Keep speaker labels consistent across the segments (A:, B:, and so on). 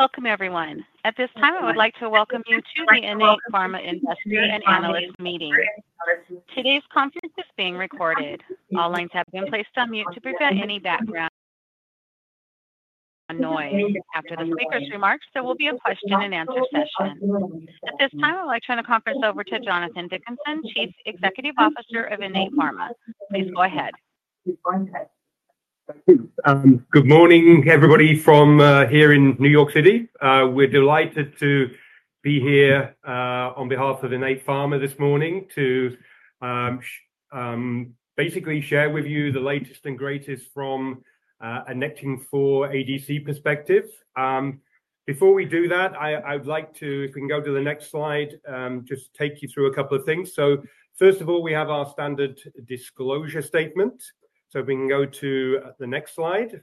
A: Welcome, everyone. At this time, I would like to welcome you to the Innate Pharma Industry and Analysts meeting. Today's conference is being recorded. All lines have been placed on mute to prevent any background noise. After the speaker's remarks, there will be a question-and-answer session. At this time, I'd like to turn the conference over to Jonathan Dickinson, Chief Executive Officer of Innate Pharma. Please go ahead.
B: Good morning, everybody from here in New York City. We're delighted to be here on behalf of Innate Pharma this morning to basically share with you the latest and greatest from a Nectin-4 ADC perspective. Before we do that, I'd like to, if we can go to the next slide, just take you through a couple of things. First of all, we have our standard disclosure statement. If we can go to the next slide.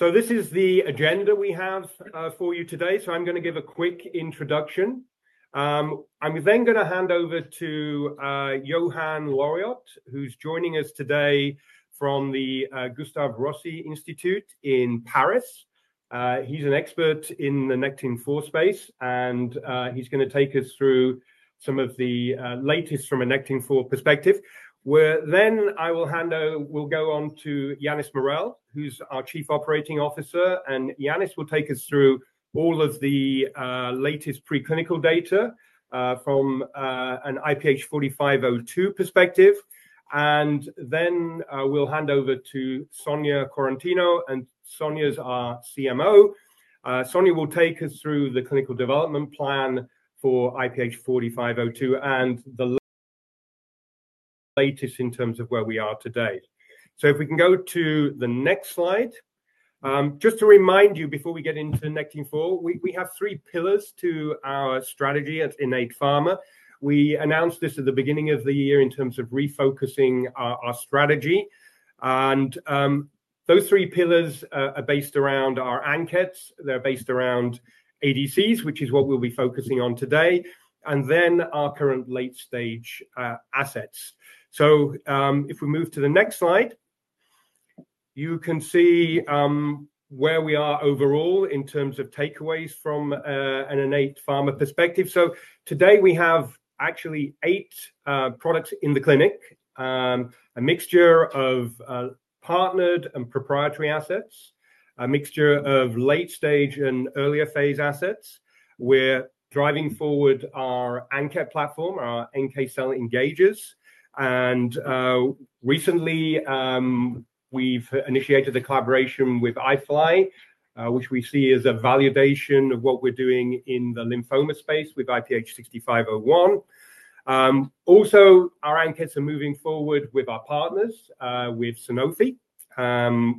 B: This is the agenda we have for you today. I'm going to give a quick introduction. I'm then going to hand over to Yohann Loriot, who's joining us today from the Gustave Roussy Institute in Paris. He's an expert in the Nectin-4 space, and he's going to take us through some of the latest from a Nectin-4 perspective. I will hand over, we'll go on to Yannis Morel, who's our Chief Operating Officer, and Yannis, will take us through all of the latest preclinical data from an IPH4502 perspective. We will hand over to Sonia Quaratino, and Sonia, is our CMO. Sonia will take us through the clinical development plan for IPH4502 and the latest in terms of where we are today. If we can go to the next slide. Just to remind you, before we get into Nectin-4, we have three pillars to our strategy at Innate Pharma. We announced this at the beginning of the year in terms of refocusing our strategy. Those three pillars are based around our anchors. They're based around ADCs, which is what we'll be focusing on today, and then our current late-stage assets. If we move to the next slide, you can see where we are overall in terms of takeaways from an Innate Pharma perspective. Today we have actually eight products in the clinic, a mixture of partnered and proprietary assets, a mixture of late-stage and earlier phase assets. We're driving forward our ANKET platform, our NK Cell Engagers. Recently, we've initiated a collaboration with iFly, which we see as a validation of what we're doing in the lymphoma space with IPH6501. Also, our ANKETs, are moving forward with our partners, with Sanofi.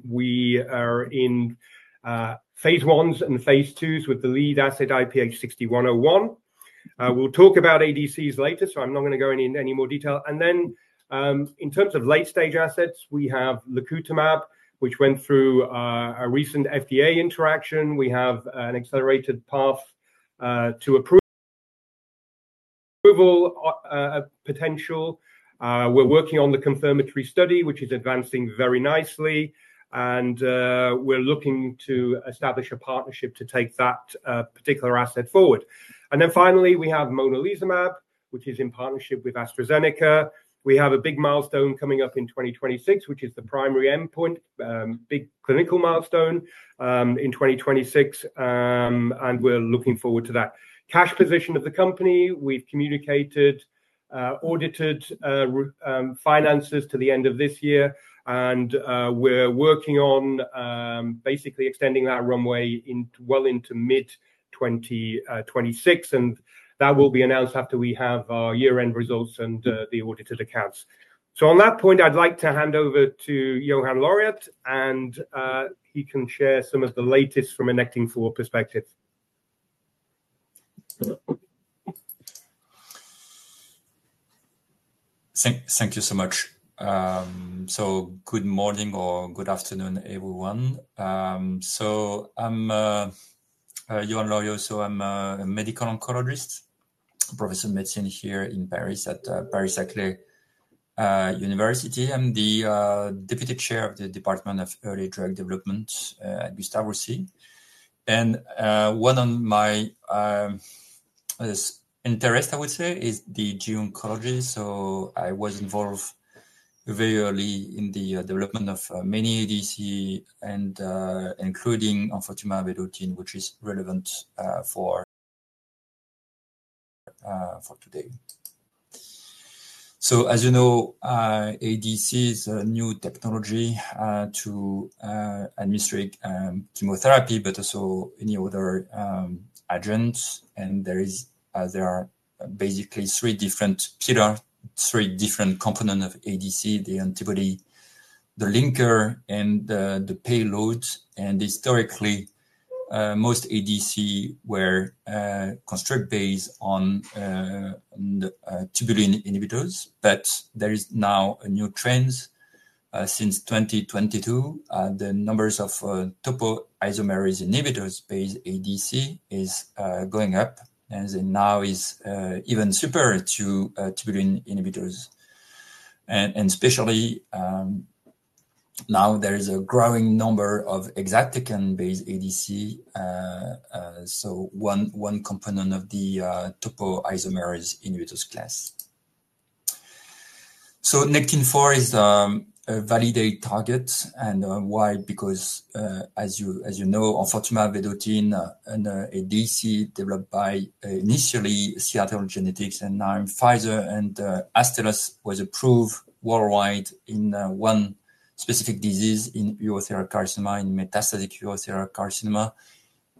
B: We are in phase I and phase II with the lead asset IPH6101. We'll talk about ADCs later, so I'm not going to go into any more detail. In terms of late-stage assets, we have Lacutamab, which went through a recent FDA interaction. We have an accelerated path to approval potential. We're working on the confirmatory study, which is advancing very nicely. We're looking to establish a partnership to take that particular asset forward. Finally, we have Monalizumab, which is in partnership with AstraZeneca. We have a big milestone coming up in 2026, which is the primary endpoint, big clinical milestone in 2026. We're looking forward to that. Cash position of the company, we've communicated, audited finances to the end of this year. We're working on basically extending that runway well into mid-2026. That will be announced after we have our year-end results and the audited accounts. On that point, I'd like to hand over to Yohann Loriot, and he can share some of the latest from a Nectin-4 perspective.
C: Thank you so much. Good morning or good afternoon, everyone. I'm Yohann Loriot, I'm a medical oncologist, a professor of medicine here in Paris at Paris Saclay University. I'm the Deputy Chair of the Department of Early Drug Development at Gustave Roussy. One of my interests, I would say, is the gene oncology. I was involved very early in the development of many ADC, including enfortumab vedotin, which is relevant for today. As you know, ADC is a new technology to administer chemotherapy, but also any other agents. There are basically three different pillars, three different components of ADC, the antibody, the linker, and the payload. Historically, most ADC were constructed based on tubulin inhibitors. There is now a new trend. Since 2022, the numbers of topoisomerase inhibitors based on ADC are going up, and now it's even superior to tubulin inhibitors. Especially now, there is a growing number of exatecan-based ADC, so one component of the topoisomerase inhibitors class. Nectin-4 is a validated target. And why? Because, as you know, enfortumab vedotin, an ADC developed by initially Seattle Genetics and now Pfizer and Astellas, was approved worldwide in one specific disease, in urothelial carcinoma, in metastatic urothelial carcinoma,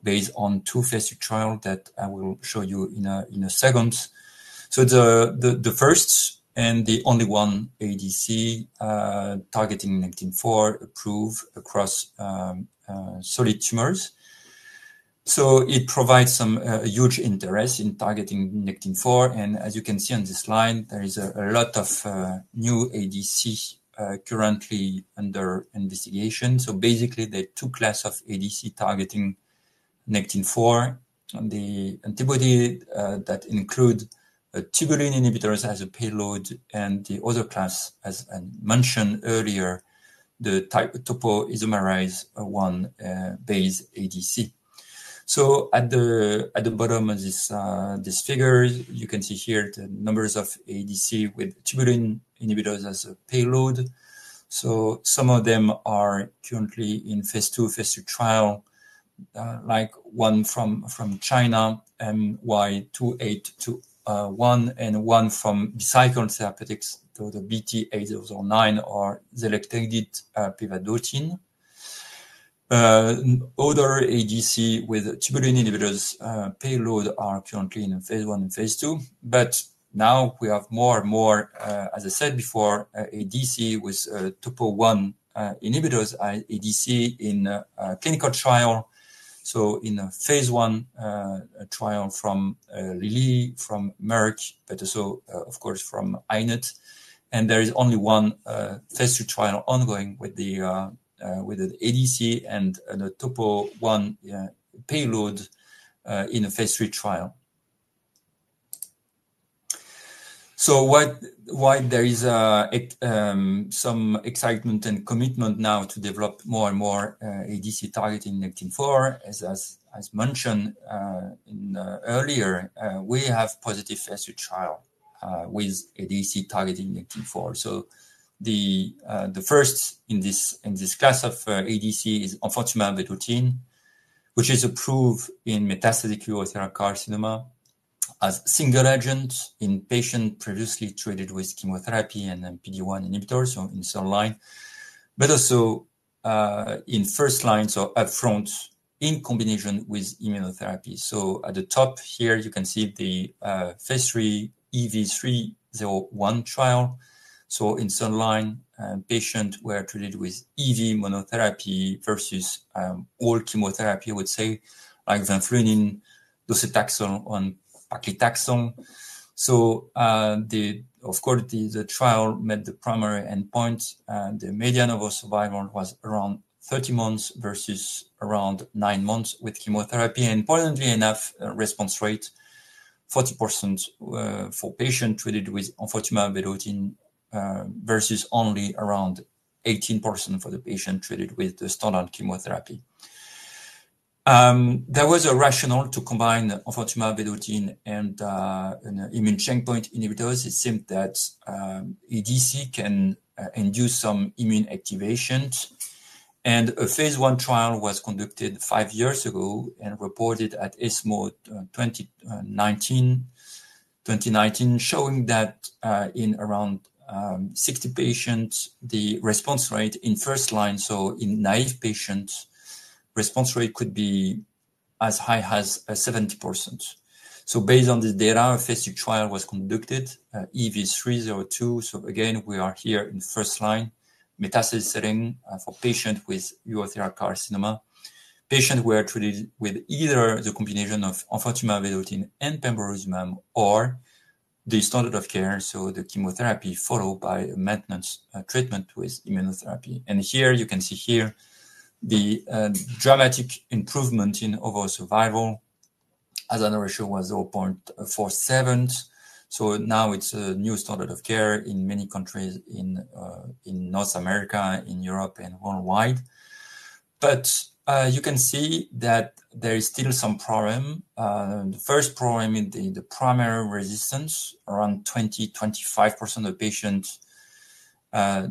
C: based on two phase II trials that I will show you in a second. The first and the only one ADC targeting Nectin-4 approved across solid tumors. It provides some huge interest in targeting Nectin-4. As you can see on this slide, there is a lot of new ADC currently under investigation. Basically, there are two classes of ADC targeting Nectin-4. The antibody that includes tubulin inhibitors as a payload and the other class, as I mentioned earlier, the topoisomerase I-based ADC. At the bottom of this figure, you can see here the numbers of ADC with tubulin inhibitors as a payload. Some of them are currently in phase II, phase II trial, like one from China MY2821 and one from Bicycle Therapeutics, the BT8009 or Zelectated Pivototin. Other ADC with tubulin inhibitors payload are currently in phase I and phase II. Now we have more and more, as I said before, ADC with topo one inhibitors, ADC in clinical trial. In a phase I trial from Lilly, from Merck, but also, of course, from Innate. There is only one phase II trial ongoing with the ADC and the topo one payload in a phase III trial. Why there is some excitement and commitment now to develop more and more ADC targeting Nectin-4, as mentioned earlier, we have positive phase II trial with ADC targeting Nectin-4. The first in this class of ADC is enfortumab vedotin, which is approved in metastatic urothelial carcinoma as single agent in patients previously treated with chemotherapy and PD-1 inhibitors, in second line, but also in first line, upfront in combination with immunotherapy. At the top here, you can see the phase III EV301 trial. In second line, patients were treated with EV monotherapy versus all chemotherapy, I would say, like vinflunine, docetaxel, and paclitaxel. Of course, the trial met the primary endpoint. The median overall survival was around 30 months versus around nine months with chemotherapy. Importantly enough, response rate, 40%, for patients treated with enfortumab vedotin versus only around 18%, for the patients treated with the standard chemotherapy. There was a rationale to combine enfortumab vedotin and immune checkpoint inhibitors. It seemed that ADC can induce some immune activations. A phase I trial was conducted five years ago and reported at ESMO 2019, showing that in around 60 patients, the response rate in first line, so in naive patients, response rate could be as high as 70%. Based on this data, a phase II trial was conducted, EV302. Again, we are here in first line, metastasis setting for patients with urothelial carcinoma. Patients were treated with either the combination of enfortumab vedotin and pembrolizumab or the standard of care, so the chemotherapy followed by maintenance treatment with immunotherapy. Here you can see the dramatic improvement in overall survival. As I know, the ratio was 0.47. It is a new standard of care in many countries in North America, in Europe, and worldwide. You can see that there is still some problem. The first problem is the primary resistance. Around 20%-25%, of patients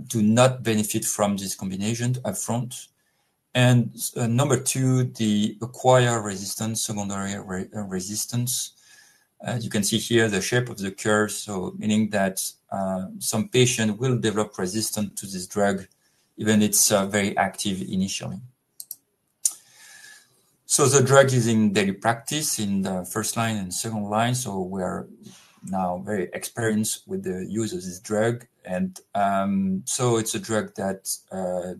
C: do not benefit from this combination upfront. Number two, the acquired resistance, secondary resistance. You can see here, the shape of the curve, meaning that some patients will develop resistance to this drug, even if it is very active initially. The drug is in daily practice in the first line and second line. We are now very experienced with the use of this drug. It is a drug that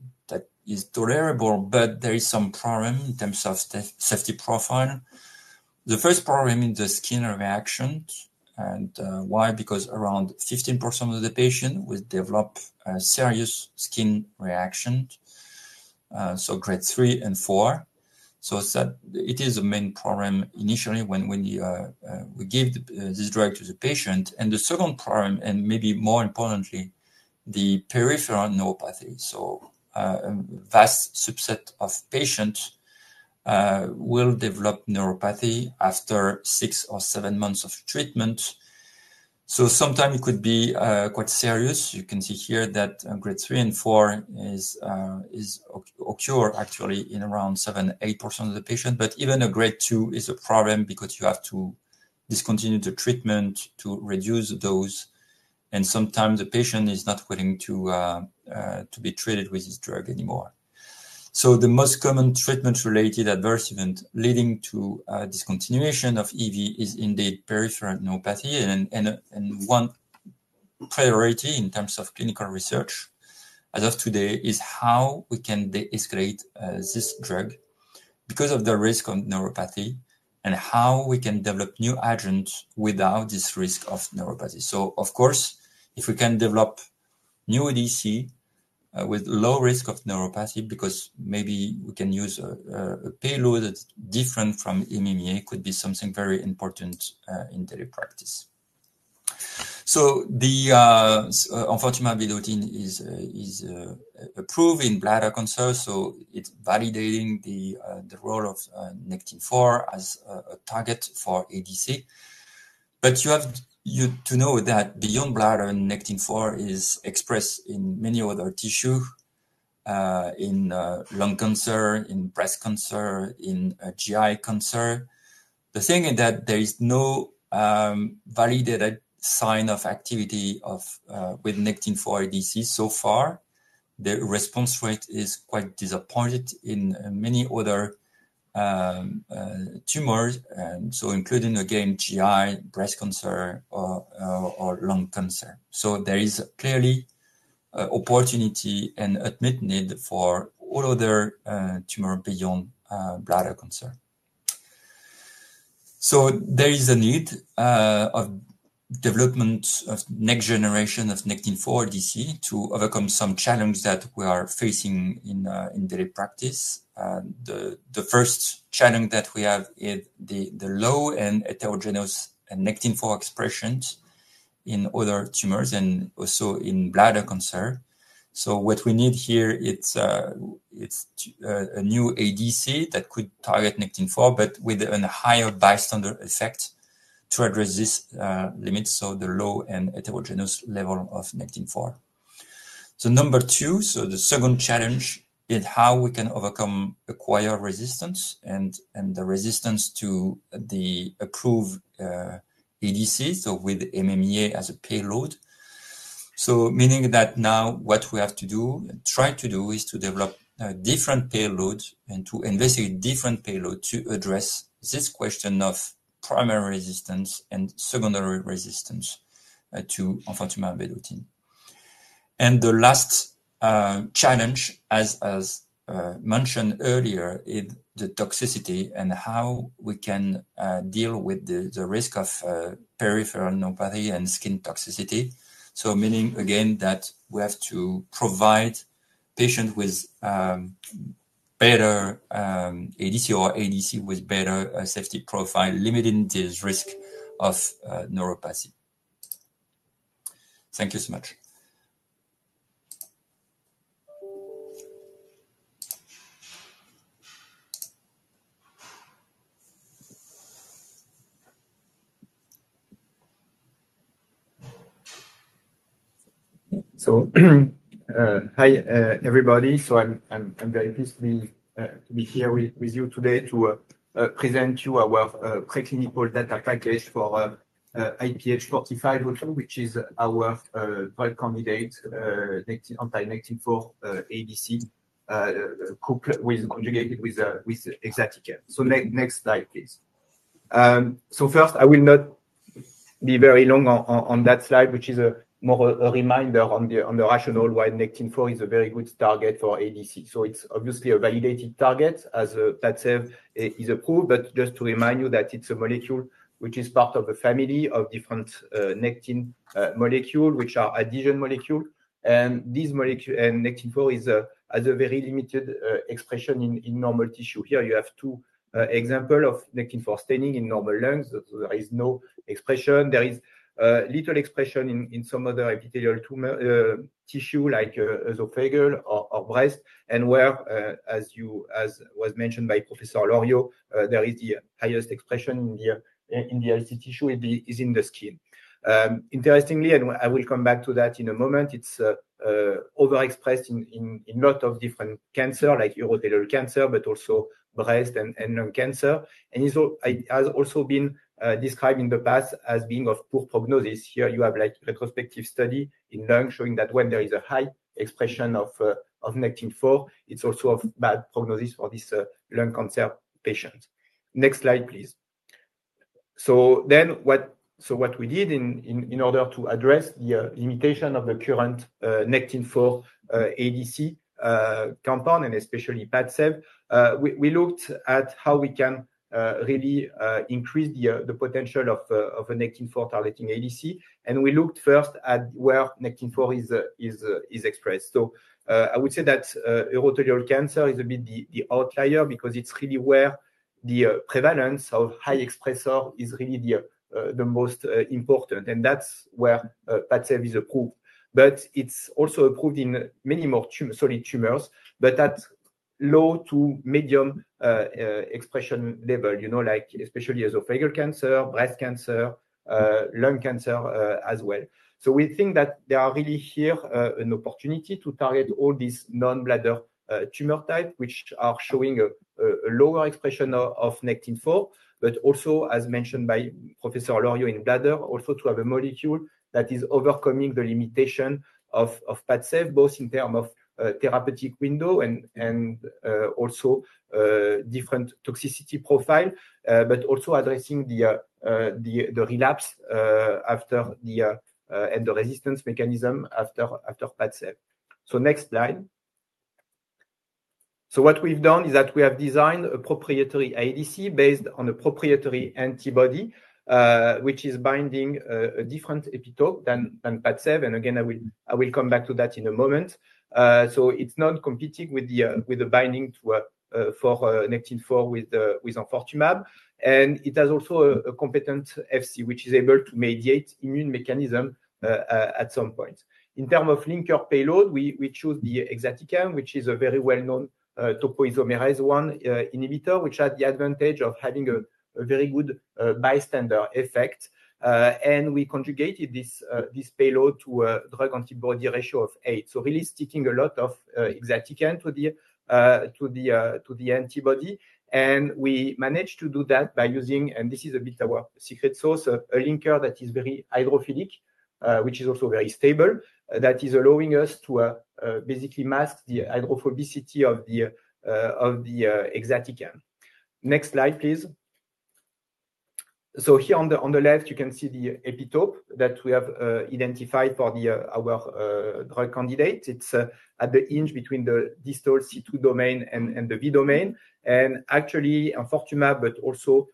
C: is tolerable, but there is some problem in terms of safety profile. The first problem is the skin reactions. Why? Because around 15%, of the patients will develop serious skin reactions, grade three and four. It is a main problem initially when we give this drug to the patient. The second problem, and maybe more importantly, is the peripheral neuropathy. A vast subset of patients will develop neuropathy after six or seven months of treatment. Sometimes it could be quite serious. You can see here that grade three and four occur actually in around 7-8%, of the patients. Even a grade two is a problem because you have to discontinue the treatment or reduce dose. Sometimes the patient is not willing to be treated with this drug anymore. The most common treatment-related adverse event leading to discontinuation of EV is indeed peripheral neuropathy. One priority in terms of clinical research as of today is how we can de-escalate this drug because of the risk of neuropathy and how we can develop new agents without this risk of neuropathy. Of course, if we can develop new ADC with low risk of neuropathy because maybe we can use a payload that's different from MMAE, it could be something very important in daily practice. Enfortumab vedotin, is approved in bladder cancer. It is validating the role of Nectin-4 as a target for ADC. You have to know that beyond bladder, Nectin-4 is expressed in many other tissues, in lung cancer, in breast cancer, in GI cancer. The thing is that there is no validated sign of activity with Nectin-4 ADC so far. The response rate, is quite disappointing in many other tumors, including again, GI, breast cancer, or lung cancer. There is clearly opportunity and admitted need for all other tumors beyond bladder cancer. There is a need of development of next generation of Nectin-4 ADC, to overcome some challenges that we are facing in daily practice. The first challenge that we have is the low and heterogeneous Nectin-4 expressions in other tumors and also in bladder cancer. What we need here, it's a new ADC that could target Nectin-4, but with a higher bystander effect to address this limit, so the low and heterogeneous level of Nectin-4. Number two, the second challenge is how we can overcome acquired resistance and the resistance to the approved ADC, with MMAE as a payload. Meaning that now what we have to do, try to do, is to develop different payloads and to investigate different payloads to address this question of primary resistance and secondary resistance to enfortumab vedotin. The last challenge, as mentioned earlier, is the toxicity and how we can deal with the risk of peripheral neuropathy and skin toxicity. Meaning again that we have to provide patients with better ADC or ADC with better safety profile, limiting this risk of neuropathy. Thank you so much.
D: Hi, everybody. I am very pleased to be here with you today to present to you our preclinical data package for IPH4502, which is our drug candidate, anti-Nectin-4 ADC, conjugated with exatecan. Next slide, please. First, I will not be very long on that slide, which is more a reminder on the rationale why Nectin-4, is a very good target for ADC. It's obviously a validated target as Padcev, is approved, but just to remind you that it's a molecule which is part of a family of different Nectin molecules, which are adhesion molecules. Nectin-4, has a very limited expression in normal tissue. Here you have two examples of Nectin-4, staining in normal lungs. There is no expression. There is little expression in some other epithelial tissue like esophageal or breast. Where, as was mentioned by Professor Loriot, there is the highest expression in the LC tissue is in the skin. Interestingly, and I will come back to that in a moment, it's overexpressed in a lot of different cancers, like urothelial cancer, but also breast and lung cancer. It has also been described in the past as being of poor prognosis. Here you have a retrospective study in lung showing that when there is a high expression of Nectin-4, it's also of bad prognosis for these lung cancer patients. Next slide, please. What we did in order to address the limitation of the current Nectin-4 ADC compound and especially Padcev, we looked at how we can really increase the potential of a Nectin-4 targeting ADC. We looked first at where Nectin-4 is expressed. I would say that urothelial cancer, is a bit the outlier because it's really where the prevalence of high expressor is really the most important. That's where Padcev, is approved. It's also approved in many more solid tumors, but at low to medium expression level, you know, like especially esophageal cancer, breast cancer, lung cancer as well. We think that there are really here an opportunity to target all these non-bladder tumor types, which are showing a lower expression of Nectin-4, but also, as mentioned by Professor Loriot in bladder, also to have a molecule that is overcoming the limitation of Padcev, both in terms of therapeutic window and also different toxicity profile, but also addressing the relapse after and the resistance mechanism after Padcev. Next slide. What we've done is that we have designed a proprietary ADC based on a proprietary antibody, which is binding a different epitope than Padcev. Again, I will come back to that in a moment. It is not competing with the binding for Nectin-4 with enfortumab. It also has a competent FC, which is able to mediate immune mechanism at some point. In terms of linker payload, we chose the exatecan, which is a very well-known topoisomerase I inhibitor, which has the advantage of having a very good bystander effect. We conjugated this payload to a drug antibody ratio of eight, so really sticking a lot of exatecan to the antibody. We managed to do that by using, and this is a bit our secret sauce, a linker that is very hydrophilic, which is also very stable, that is allowing us to basically mask the hydrophobicity of the exatecan. Next slide, please. Here on the left, you can see the epitope that we have identified for our drug candidate. It's at the hinge between the distal C2 domain and the V domain. Actually, enfortumab, but also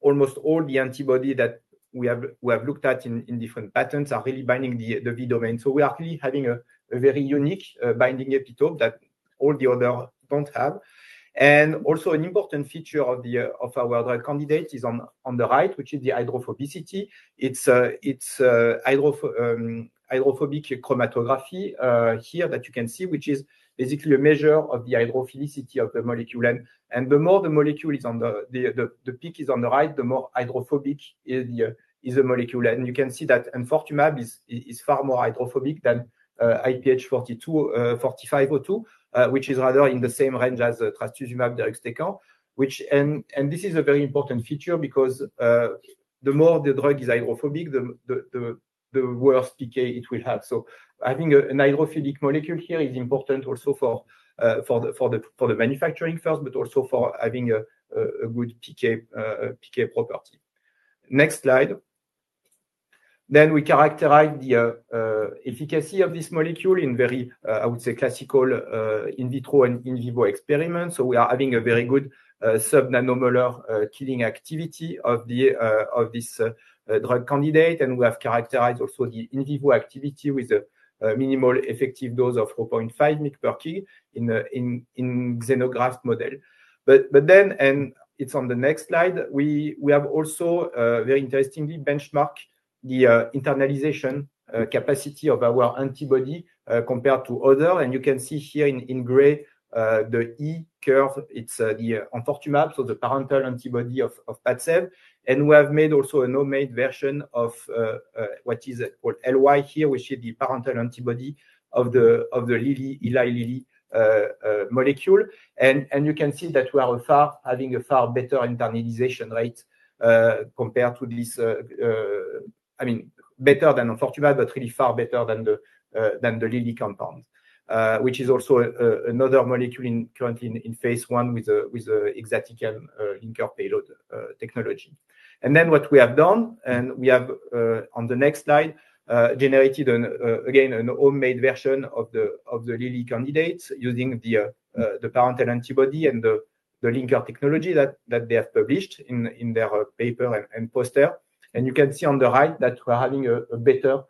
D: almost all the antibody that we have looked at in different patterns are really binding the V domain. We are really having a very unique binding epitope that all the others don't have. Also, an important feature of our drug candidate is on the right, which is the hydrophobicity. It's hydrophobic chromatography, here that you can see, which is basically a measure of the hydrophilicity of the molecule. The more the molecule is on the peak is on the right, the more hydrophobic is the molecule. You can see that enfortumab is far more hydrophobic than IPH4502, which is rather in the same range as trastuzumab deruxtecan. This is a very important feature because the more the drug is hydrophobic, the worse PK it will have. Having a hydrophilic molecule here is important also for the manufacturing first, but also for having a good PK property. Next slide. We characterize the efficacy of this molecule in very, I would say, classical in vitro and in vivo experiments. We are having a very good sub-nanomolar killing activity of this drug candidate. We have characterized also the in vivo activity with a minimal effective dose of 0.5 microgram per kilogram in xenograft model. It is on the next slide, we have also, very interestingly, benchmarked the internalization capacity of our antibody compared to others. You can see here in gray, the E curve, it is the enfortumab, so the parental antibody of Padcev. We have made also a nomab version of what is called LY here, which is the parental antibody of the Eli Lilly molecule. You can see that we are having a far better internalization rate compared to this, I mean, better than enfortumab, but really far better than the Lilly compound, which is also another molecule currently in phase one with the exatecan linker payload technology. What we have done, and we have on the next slide, generated again a homemade version of the Lilly candidate using the parental antibody and the linker technology that they have published in their paper and poster. You can see on the right that we're having a better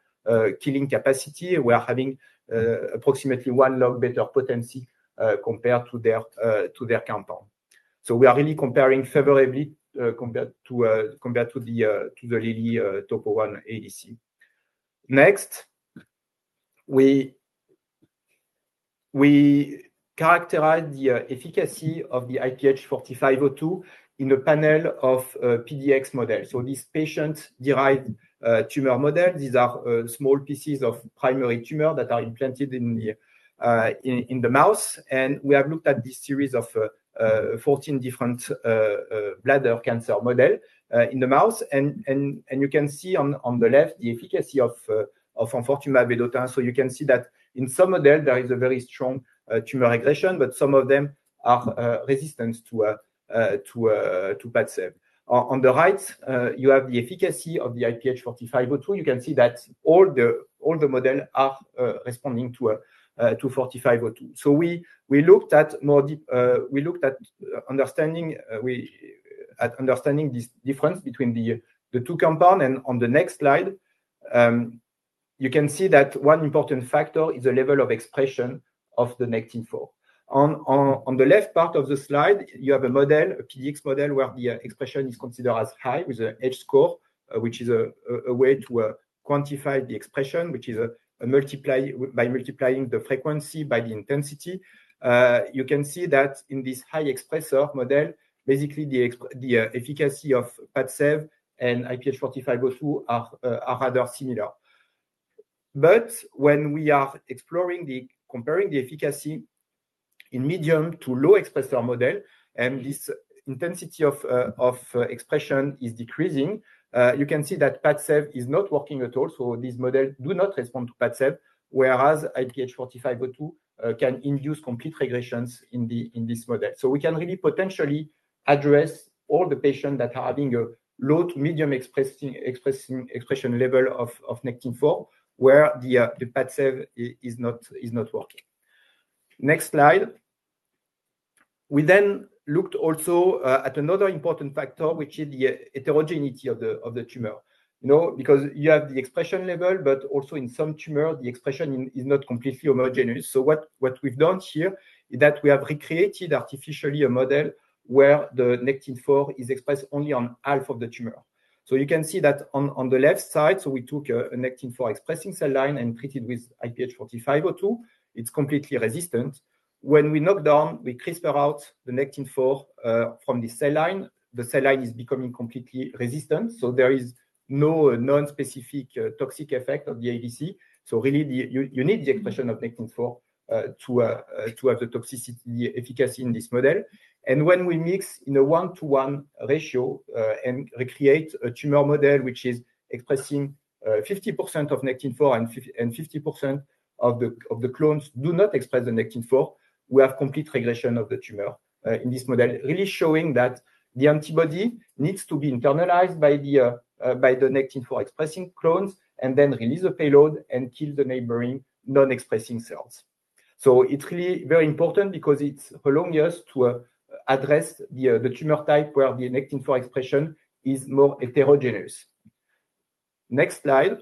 D: killing capacity. We're having approximately one log better potency compared to their compound. We are really comparing favorably compared to the Lilly topo-1 ADC. Next, we characterize the efficacy of the IPH4502 in a panel of PDX models. These patient-derived tumor models. These are small pieces of primary tumor that are implanted in the mouse. We have looked at this series of 14 different bladder cancer models in the mouse. You can see on the left the efficacy of enfortumab vedotin. You can see that in some models, there is a very strong tumor regression, but some of them are resistant to Padcev. On the right, you have the efficacy of the IPH4502. You can see that all the models are responding to 4502. We looked at understanding this difference between the two compounds. On the next slide, you can see that one important factor is the level of expression of the Nectin-4. On the left part of the slide, you have a model, a PDX model, where the expression is considered as high with an H score, which is a way to quantify the expression, which is by multiplying the frequency by the intensity. You can see that in this high expressor model, basically the efficacy of Padcev and IPH4502, are rather similar. When we are exploring the comparing the efficacy in medium to low expressor models, and this intensity of expression is decreasing, you can see that Padcev, is not working at all. These models do not respond to Padcev, whereas IPH4502, can induce complete regressions in this model. We can really potentially address all the patients that are having a low to medium expression level of Nectin-4 where the Padcev, is not working. Next slide. We then looked also at another important factor, which is the heterogeneity of the tumor. Because you have the expression level, but also in some tumors, the expression is not completely homogeneous. What we've done here is that we have recreated artificially a model where the Nectin-4, is expressed only on half of the tumor. You can see that on the left side, so we took a Nectin-4, expressing cell line and treated with IPH4502. It's completely resistant. When we knock down, we CRISPR, out the Nectin-4, from the cell line. The cell line, is becoming completely resistant. There is no non-specific toxic effect of the ADC. You need the expression of Nectin-4, to have the toxicity efficacy in this model. When we mix in a one-to-one ratio and recreate a tumor model which is expressing 50%,, of Nectin-4 and 50%, of the clones do not express the Nectin-4, we have complete regression of the tumor in this model, really showing that the antibody needs to be internalized by the Nectin-4, expressing clones and then release the payload and kill the neighboring non-expressing cells. It is really very important because it is helping us to address the tumor type where the Nectin-4, expression is more heterogeneous. Next slide.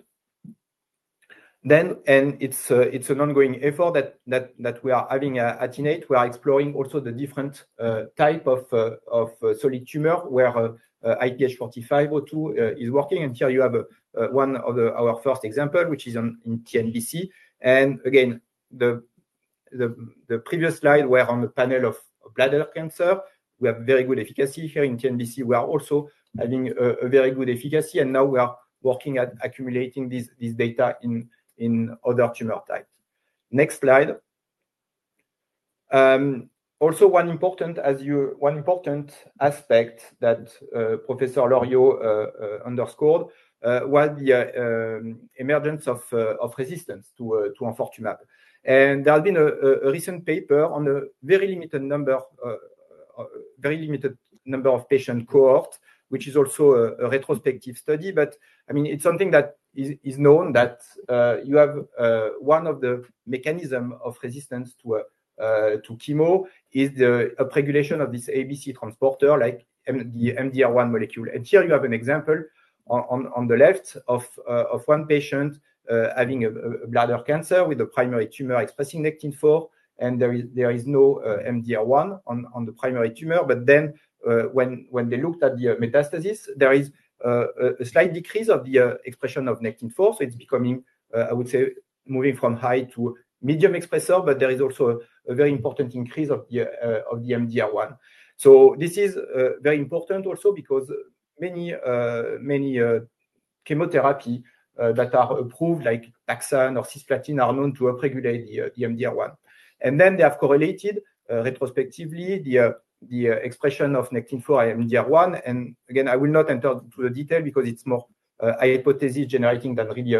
D: It is an ongoing effort that we are having at Innate. We are exploring also the different type of solid tumor where IPH4502 is working. Here you have one of our first examples, which is in TNBC. Again, the previous slide where on the panel of bladder cancer, we have very good efficacy here in TNBC. We are also having a very good efficacy. Now we are working at accumulating this data in other tumor types. Next slide. Also, one important aspect that Professor Loriot, underscored was the emergence of resistance to enfortumab. There has been a recent paper on a very limited number of patient cohorts, which is also a retrospective study. I mean, it's something that is known that you have one of the mechanisms of resistance to chemo is the upregulation of this ABC transporter like the MDR1 molecule. Here you have an example on the left of one patient having bladder cancer with a primary tumor expressing Nectin-4. There is no MDR1 on the primary tumor. When they looked at the metastasis, there is a slight decrease of the expression of Nectin-4. It is becoming, I would say, moving from high to medium expressor. There is also a very important increase of the MDR1. This is very important also because many chemotherapies that are approved, like Taxan or Cisplatin, are known to upregulate the MDR1. They have correlated retrospectively the expression of Nectin-4 and MDR1. Again, I will not enter into the detail because it is more a hypothesis generating than really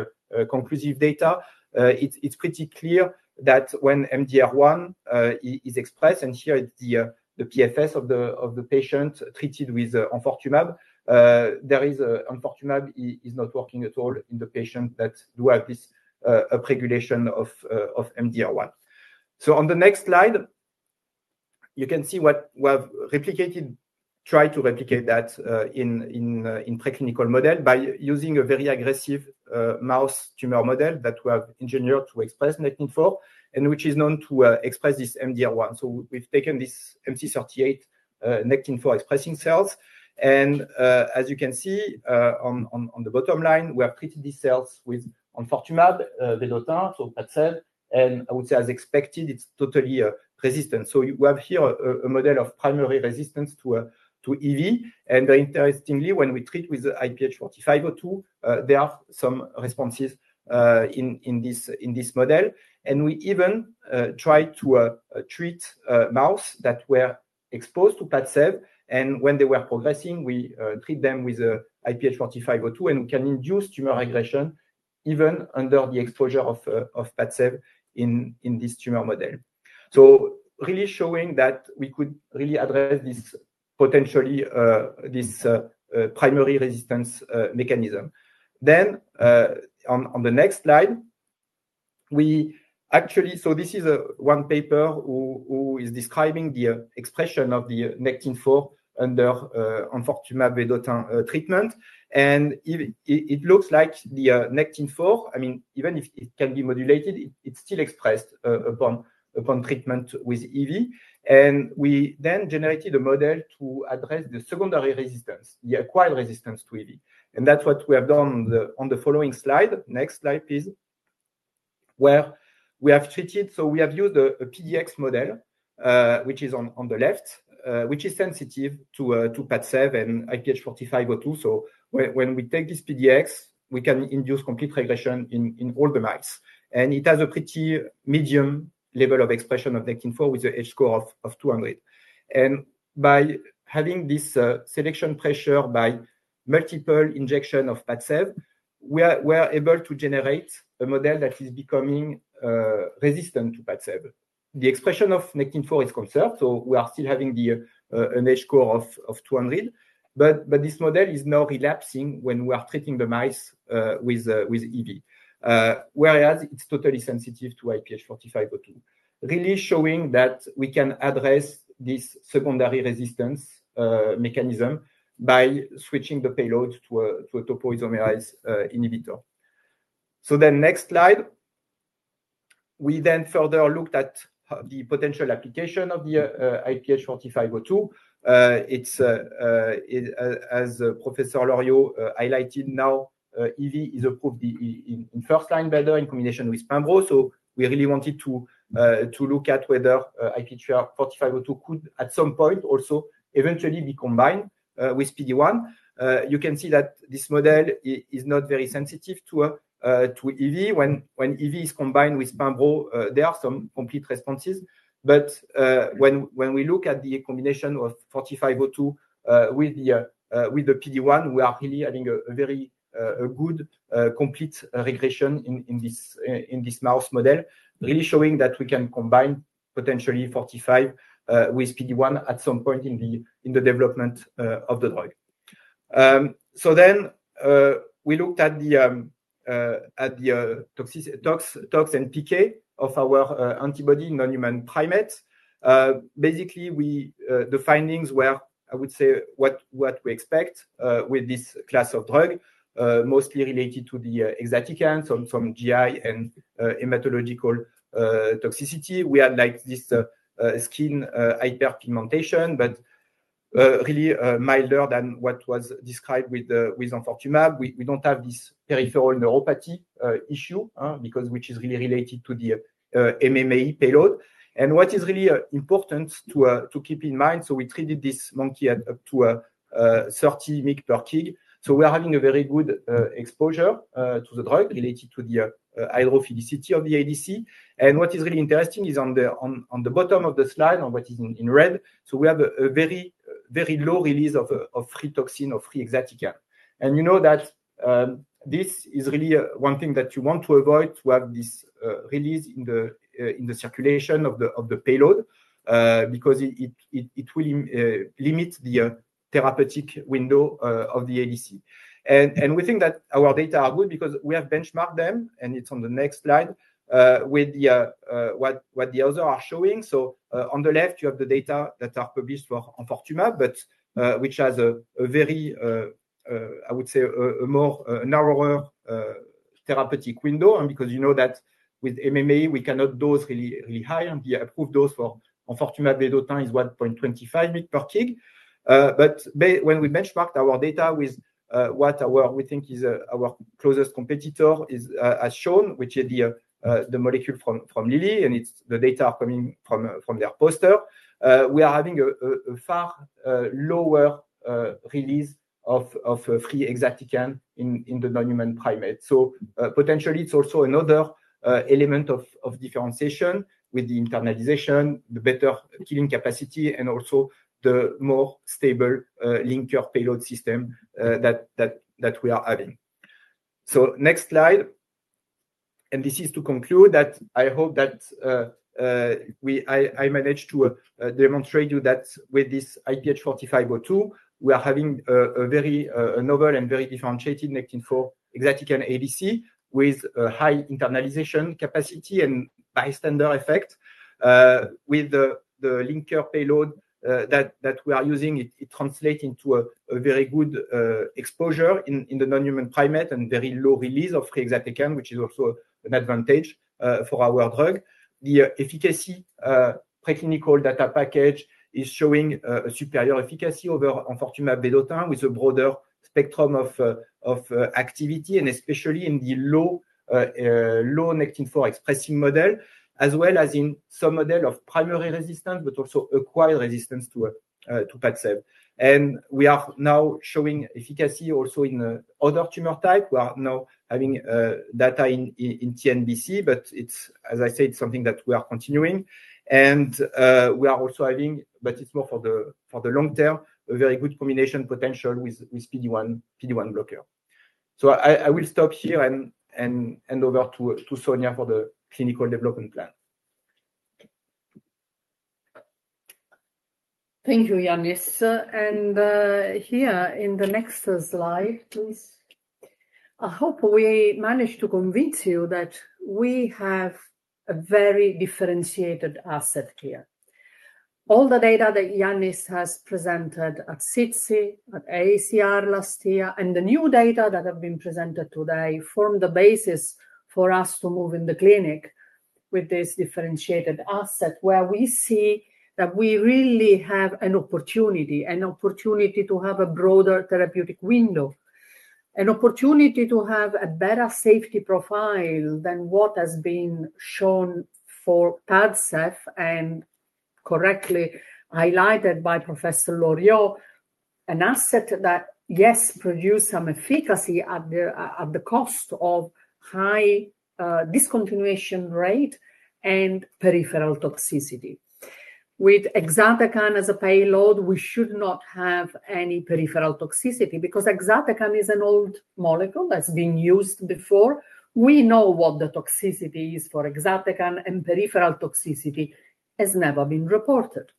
D: conclusive data. It is pretty clear that when MDR1 is expressed, and here it is the PFS, of the patient treated with enfortumab, enfortumab, is not working at all in the patients that do have this upregulation of MDR1. On the next slide, you can see what we have replicated, tried to replicate that in preclinical model by using a very aggressive mouse tumor model that we have engineered to express Nectin-4, and which is known to express this MDR1. We have taken this MT38 Nectin-4, expressing cells. As you can see on the bottom line, we have treated these cells with enfortumab vedotin, so Padcev. I would say, as expected, it's totally resistant. We have here a model of primary resistance to EV. Interestingly, when we treat with IPH4502, there are some responses in this model. We even tried to treat mouse that were exposed to Padcev. When they were progressing, we treat them with IPH4502. We can induce tumor regression even under the exposure of Padcev, in this tumor model. Really showing that we could really address this potentially primary resistance mechanism. On the next slide, we actually, so this is one paper who is describing the expression of the Nectin-4, under enfortumab vedotin treatment. It looks like the Nectin-4, I mean, even if it can be modulated, it's still expressed upon treatment with EV. We then generated a model to address the secondary resistance, the acquired resistance to EV. That's what we have done on the following slide. Next slide, please. Where we have treated, so we have used a PDX model, which is on the left, which is sensitive to Padcev and IPH4502. When we take this PDX, we can induce complete regression in all the mice. It has a pretty medium level of expression of Nectin-4, with an H score of 200. By having this selection pressure by multiple injections of Padcev, we are able to generate a model that is becoming resistant to Padcev. The expression of Nectin-4, is conserved. We are still having an H score of 200. This model is now relapsing when we are treating the mice with EV, whereas it is totally sensitive to IPH4502, really showing that we can address this secondary resistance mechanism by switching the payload to a topoisomerase I inhibitor. Next slide. We then further looked at the potential application of the IPH4502. As Professor Loriot, highlighted, now EV is approved in first-line beta in combination with Pembro. We really wanted to look at whether IPH4502, could at some point also eventually be combined with PD-1. You can see that this model is not very sensitive to EV. When EV is combined with Pambro, there are some complete responses. When we look at the combination of 4502 with the PD1, we are really having a very good complete regression in this mouse model, really showing that we can combine potentially 45 with PD1, at some point in the development of the drug. We looked at the toxin PK of our antibody non-human primate. Basically, the findings were, I would say, what we expect with this class of drug, mostly related to the exatecan from GI and hematological toxicity. We had this skin hyperpigmentation, but really milder than what was described with enfortumab. We do not have this peripheral neuropathy issue, which is really related to the MMAE payload. What is really important to keep in mind, we treated this monkey at up to 30 mic per kg. We are having a very good exposure to the drug related to the hydrophilicity of the ADC. What is really interesting is on the bottom of the slide, on what is in red, we have a very low release of free toxin or free exatecan. You know that this is really one thing that you want to avoid, to have this release in the circulation of the payload, because it will limit the therapeutic window of the ADC. We think that our data are good because we have benchmarked them. It is on the next slide with what the others are showing. On the left, you have the data that are published for enfortumab, which has a very, I would say, a more narrow therapeutic window. Because you know that with MMAE, we cannot dose really high. The approved dose for enfortumab vedotin is 1.25 mg per kg. When we benchmarked our data with what we think our closest competitor has shown, which is the molecule from Lilly, and the data are coming from their poster, we are having a far lower release of free exatecan in the non-human primate. Potentially, it is also another element of differentiation with the internalization, the better killing capacity, and also the more stable linker payload system that we are having. Next slide. This is to conclude that I hope that I managed to demonstrate to you that with this IPH4502, we are having a very novel and very differentiated Nectin-4 exatecan ADC, with a high internalization capacity and bystander effect. With the linker payload that we are using, it translates into a very good exposure in the non-human primate and very low release of free exatecan, which is also an advantage for our drug. The efficacy preclinical data package is showing a superior efficacy over enfortumab vedotin, with a broader spectrum of activity, and especially in the low Nectin-4 expressing model, as well as in some model of primary resistance, but also acquired resistance to Padcev. We are now showing efficacy also in other tumor types. We are now having data in TNBC, but as I said, it's something that we are continuing. We are also having, but it's more for the long term, a very good combination potential with PD1 blocker. I will stop here and hand over to Sonia, for the clinical development plan.
E: Thank you, Yannis. Here in the next slide, please. I hope we managed to convince you that we have a very differentiated asset here. All the data that Yannis, has presented at CITSI, at AACR last year, and the new data that have been presented today form the basis for us to move in the clinic with this differentiated asset, where we see that we really have an opportunity, an opportunity to have a broader therapeutic window, an opportunity to have a better safety profile than what has been shown for Padcev, and correctly highlighted by Professor Loriot, an asset that, yes, produced some efficacy at the cost of high discontinuation rate and peripheral toxicity. With exatecan, as a payload, we should not have any peripheral toxicity because exatecan is an old molecule that's been used before. We know what the toxicity is for exatecan, and peripheral toxicity has never been reported.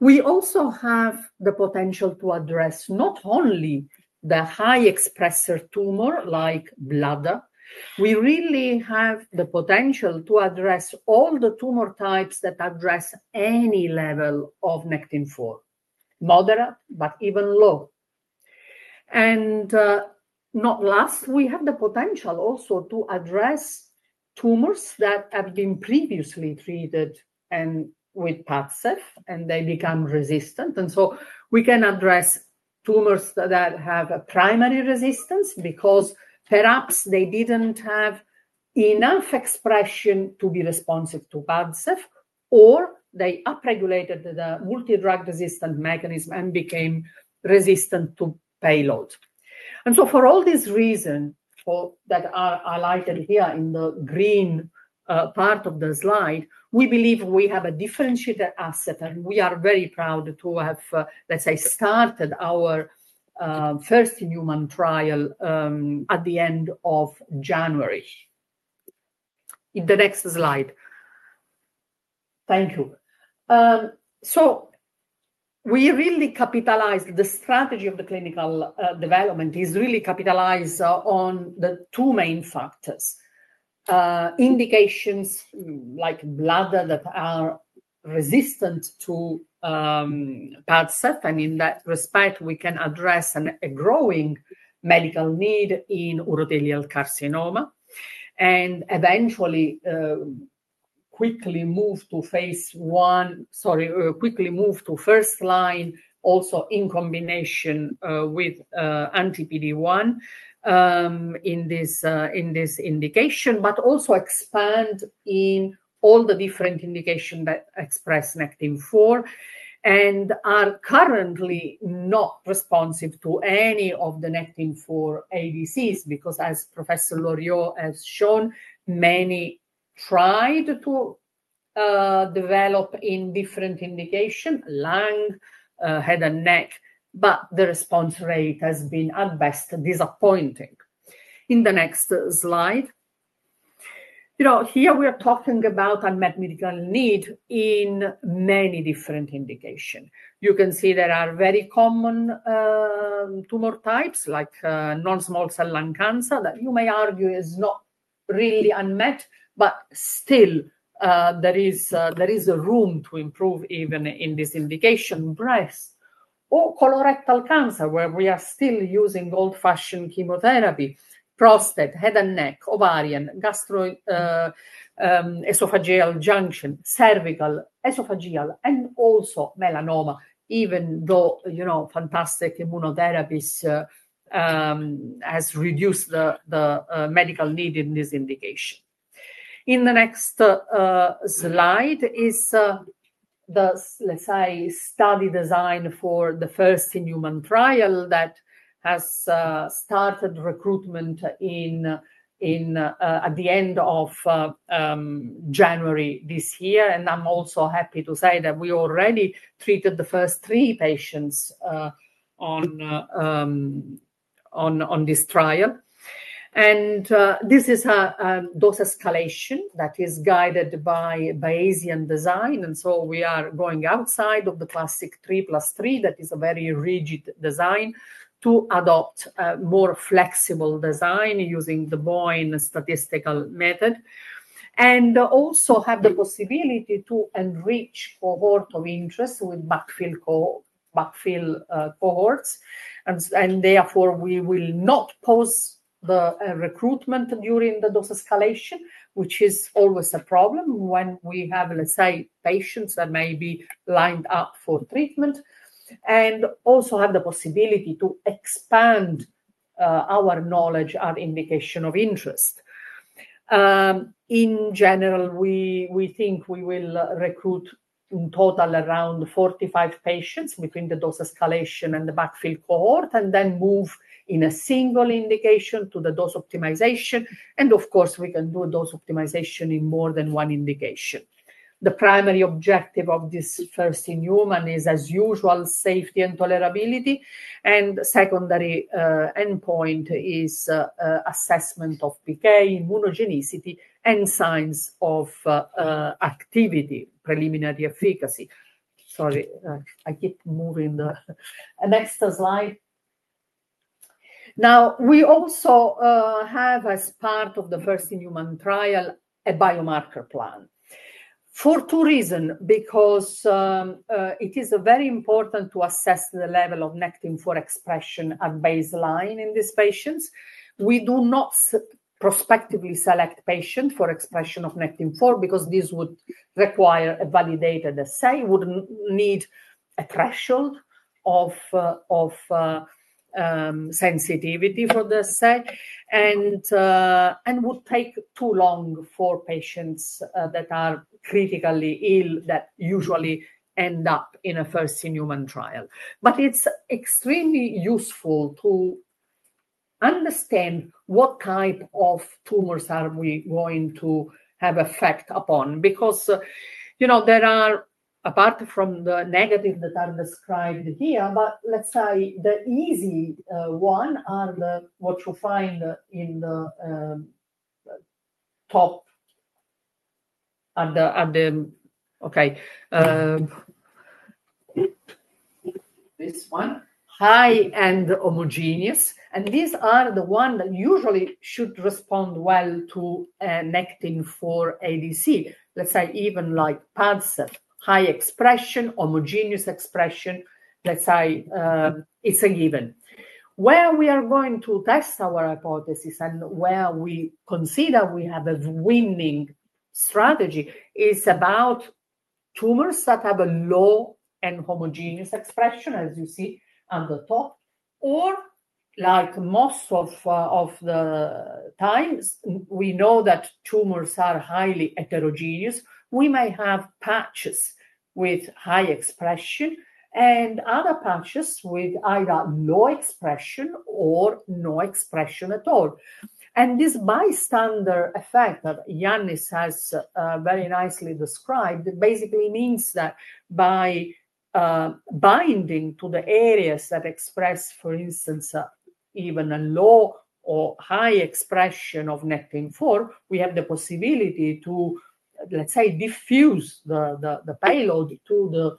E: We also have the potential to address not only the high expressor tumor like bladder. We really have the potential to address all the tumor types that address any level of Nectin-4, moderate, but even low. Not last, we have the potential also to address tumors that have been previously treated with Padcev, and they become resistant. We can address tumors that have a primary resistance because perhaps they did not have enough expression to be responsive to Padcev, or they upregulated the multi-drug resistant mechanism and became resistant to payload. For all these reasons that are highlighted here in the green part of the slide, we believe we have a differentiated asset. We are very proud to have, let's say, started our first in-human trial at the end of January. In the next slide. Thank you. We really capitalized, the strategy of the clinical development is really capitalized on the two main factors. Indications like bladder that are resistant to Padcev. In that respect, we can address a growing medical need in urothelial carcinoma and eventually quickly move to phase I, sorry, quickly move to first line, also in combination with anti-PD1 in this indication, but also expand in all the different indications that express Nectin-4, and are currently not responsive to any of the Nectin-4 ADCs because, as Professor Loriot has shown, many tried to develop in different indications, lung, head, and neck, but the response rate has been at best disappointing. In the next slide. Here we are talking about unmet medical need in many different indications. You can see there are very common tumor types like non-small cell lung cancer that you may argue is not really unmet, but still there is room to improve even in this indication, breast or colorectal cancer, where we are still using old-fashioned chemotherapy, prostate, head and neck, ovarian, gastroesophageal junction, cervical, esophageal, and also melanoma, even though fantastic immunotherapies have reduced the medical need in this indication. The next slide is the study design for the first in-human trial that has started recruitment at the end of January this year. I'm also happy to say that we already treated the first three patients on this trial. This is a dose escalation that is guided by Bayesian design. We are going outside of the classic 3 plus 3, that is a very rigid design, to adopt a more flexible design using the Bayesian statistical method and also have the possibility to enrich cohort of interest with backfill cohorts. Therefore, we will not pause the recruitment during the dose escalation, which is always a problem when we have, let's say, patients that may be lined up for treatment and also have the possibility to expand our knowledge of indication of interest. In general, we think we will recruit in total around 45 patients between the dose escalation and the backfill cohort and then move in a single indication to the dose optimization. Of course, we can do a dose optimization in more than one indication. The primary objective of this first in-human is, as usual, safety and tolerability. The secondary endpoint is assessment of PK, immunogenicity, and signs of activity, preliminary efficacy. Sorry, I keep moving the next slide. We also have, as part of the first in-human trial, a biomarker plan for two reasons, because it is very important to assess the level of Nectin-4, expression at baseline in these patients. We do not prospectively select patients for expression of Nectin-4, because this would require a validated assay, would need a threshold of sensitivity for the assay, and would take too long for patients that are critically ill that usually end up in a first in-human trial. It is extremely useful to understand what type of tumors are we going to have effect upon because there are, apart from the negative that are described here, but let's say the easy one are what you find in the top at the, okay. This one, high and homogeneous. These are the ones that usually should respond well to Nectin-4 ADC, let's say even like Padcev, high expression, homogeneous expression, let's say it's a given. Where we are going to test our hypothesis and where we consider we have a winning strategy is about tumors that have a low and homogeneous expression, as you see on the top. Like most of the times, we know that tumors are highly heterogeneous. We may have patches with high expression and other patches with either low expression or no expression at all. This bystander effect that Yannis, has very nicely described basically means that by binding to the areas that express, for instance, even a low or high expression of Nectin-4, we have the possibility to, let's say, diffuse the payload to the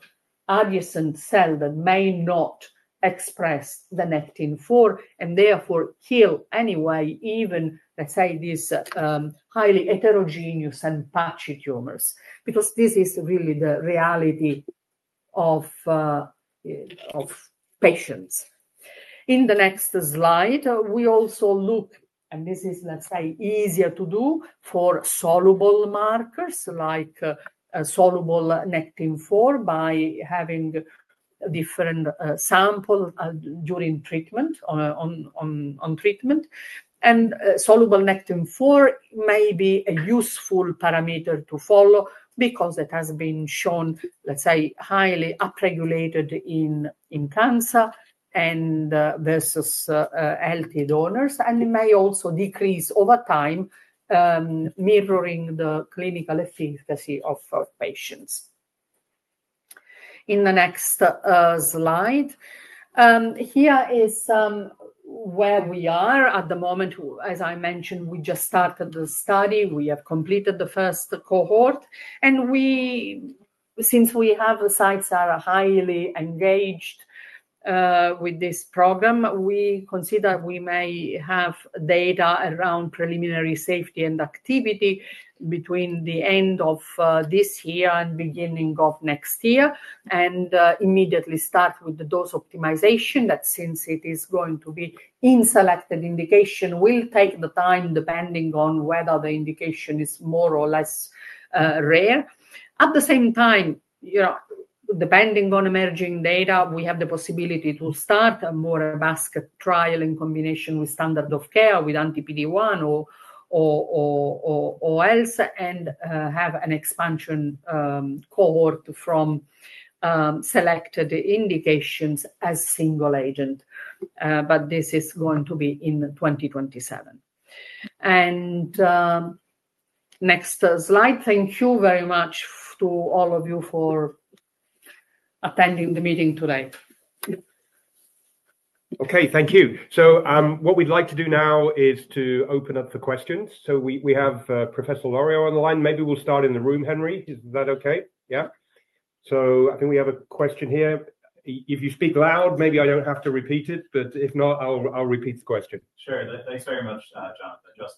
E: adjacent cell that may not express the Nectin-4, and therefore kill anyway, even, let's say, these highly heterogeneous and patchy tumors because this is really the reality of patients. In the next slide, we also look, and this is, let's say, easier to do for soluble markers like soluble Nectin-4,, by having different samples during treatment. Soluble Nectin-4 may be a useful parameter to follow because it has been shown, let's say, highly upregulated in cancer and versus LT donors. It may also decrease over time, mirroring the clinical efficacy of patients. In the next slide, here is where we are at the moment. As I mentioned, we just started the study. We have completed the first cohort. Since we have the sites that are highly engaged with this program, we consider we may have data around preliminary safety and activity between the end of this year and beginning of next year and immediately start with the dose optimization that, since it is going to be in selected indication, will take the time depending on whether the indication is more or less rare. At the same time, depending on emerging data, we have the possibility to start a more robust trial in combination with standard of care with anti-PD1 or else, and have an expansion cohort from selected indications as single agent. This is going to be in 2027. Next slide. Thank you very much to all of you for attending the meeting today.
B: Okay, thank you. What we'd like to do now is to open up the questions. We have Professor Loriot, on the line. Maybe we'll start in the room, Henry. Is that okay? Yeah. I think we have a question here. If you speak loud, maybe I don't have to repeat it, but if not, I'll repeat the question. Sure. Thanks very much, Jonathan. Just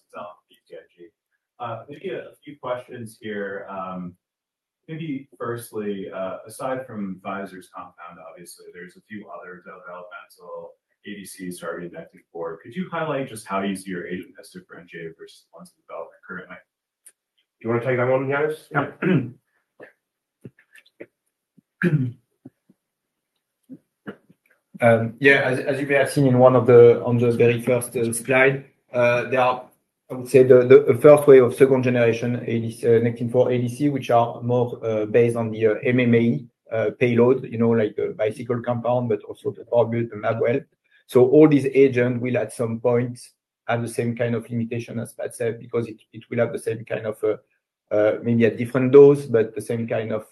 B: a few questions here. Maybe firstly, aside from Pfizer's compound, obviously, there's a few other developmental ADCs already in Nectin-4. Could you highlight just how easy your agent has differentiated versus the ones you developed currently? Do you want to take that one, Yannis?
D: Yeah. As you may have seen in one of the very first slides, there are, I would say, the first wave of second generation Nectin-4 ADC, which are more based on the MMAE payload, like the Bicycle compound, but also the Corvett and Labwell. All these agents will at some point have the same kind of limitation as Padcev, because it will have the same kind of maybe a different dose, but the same kind of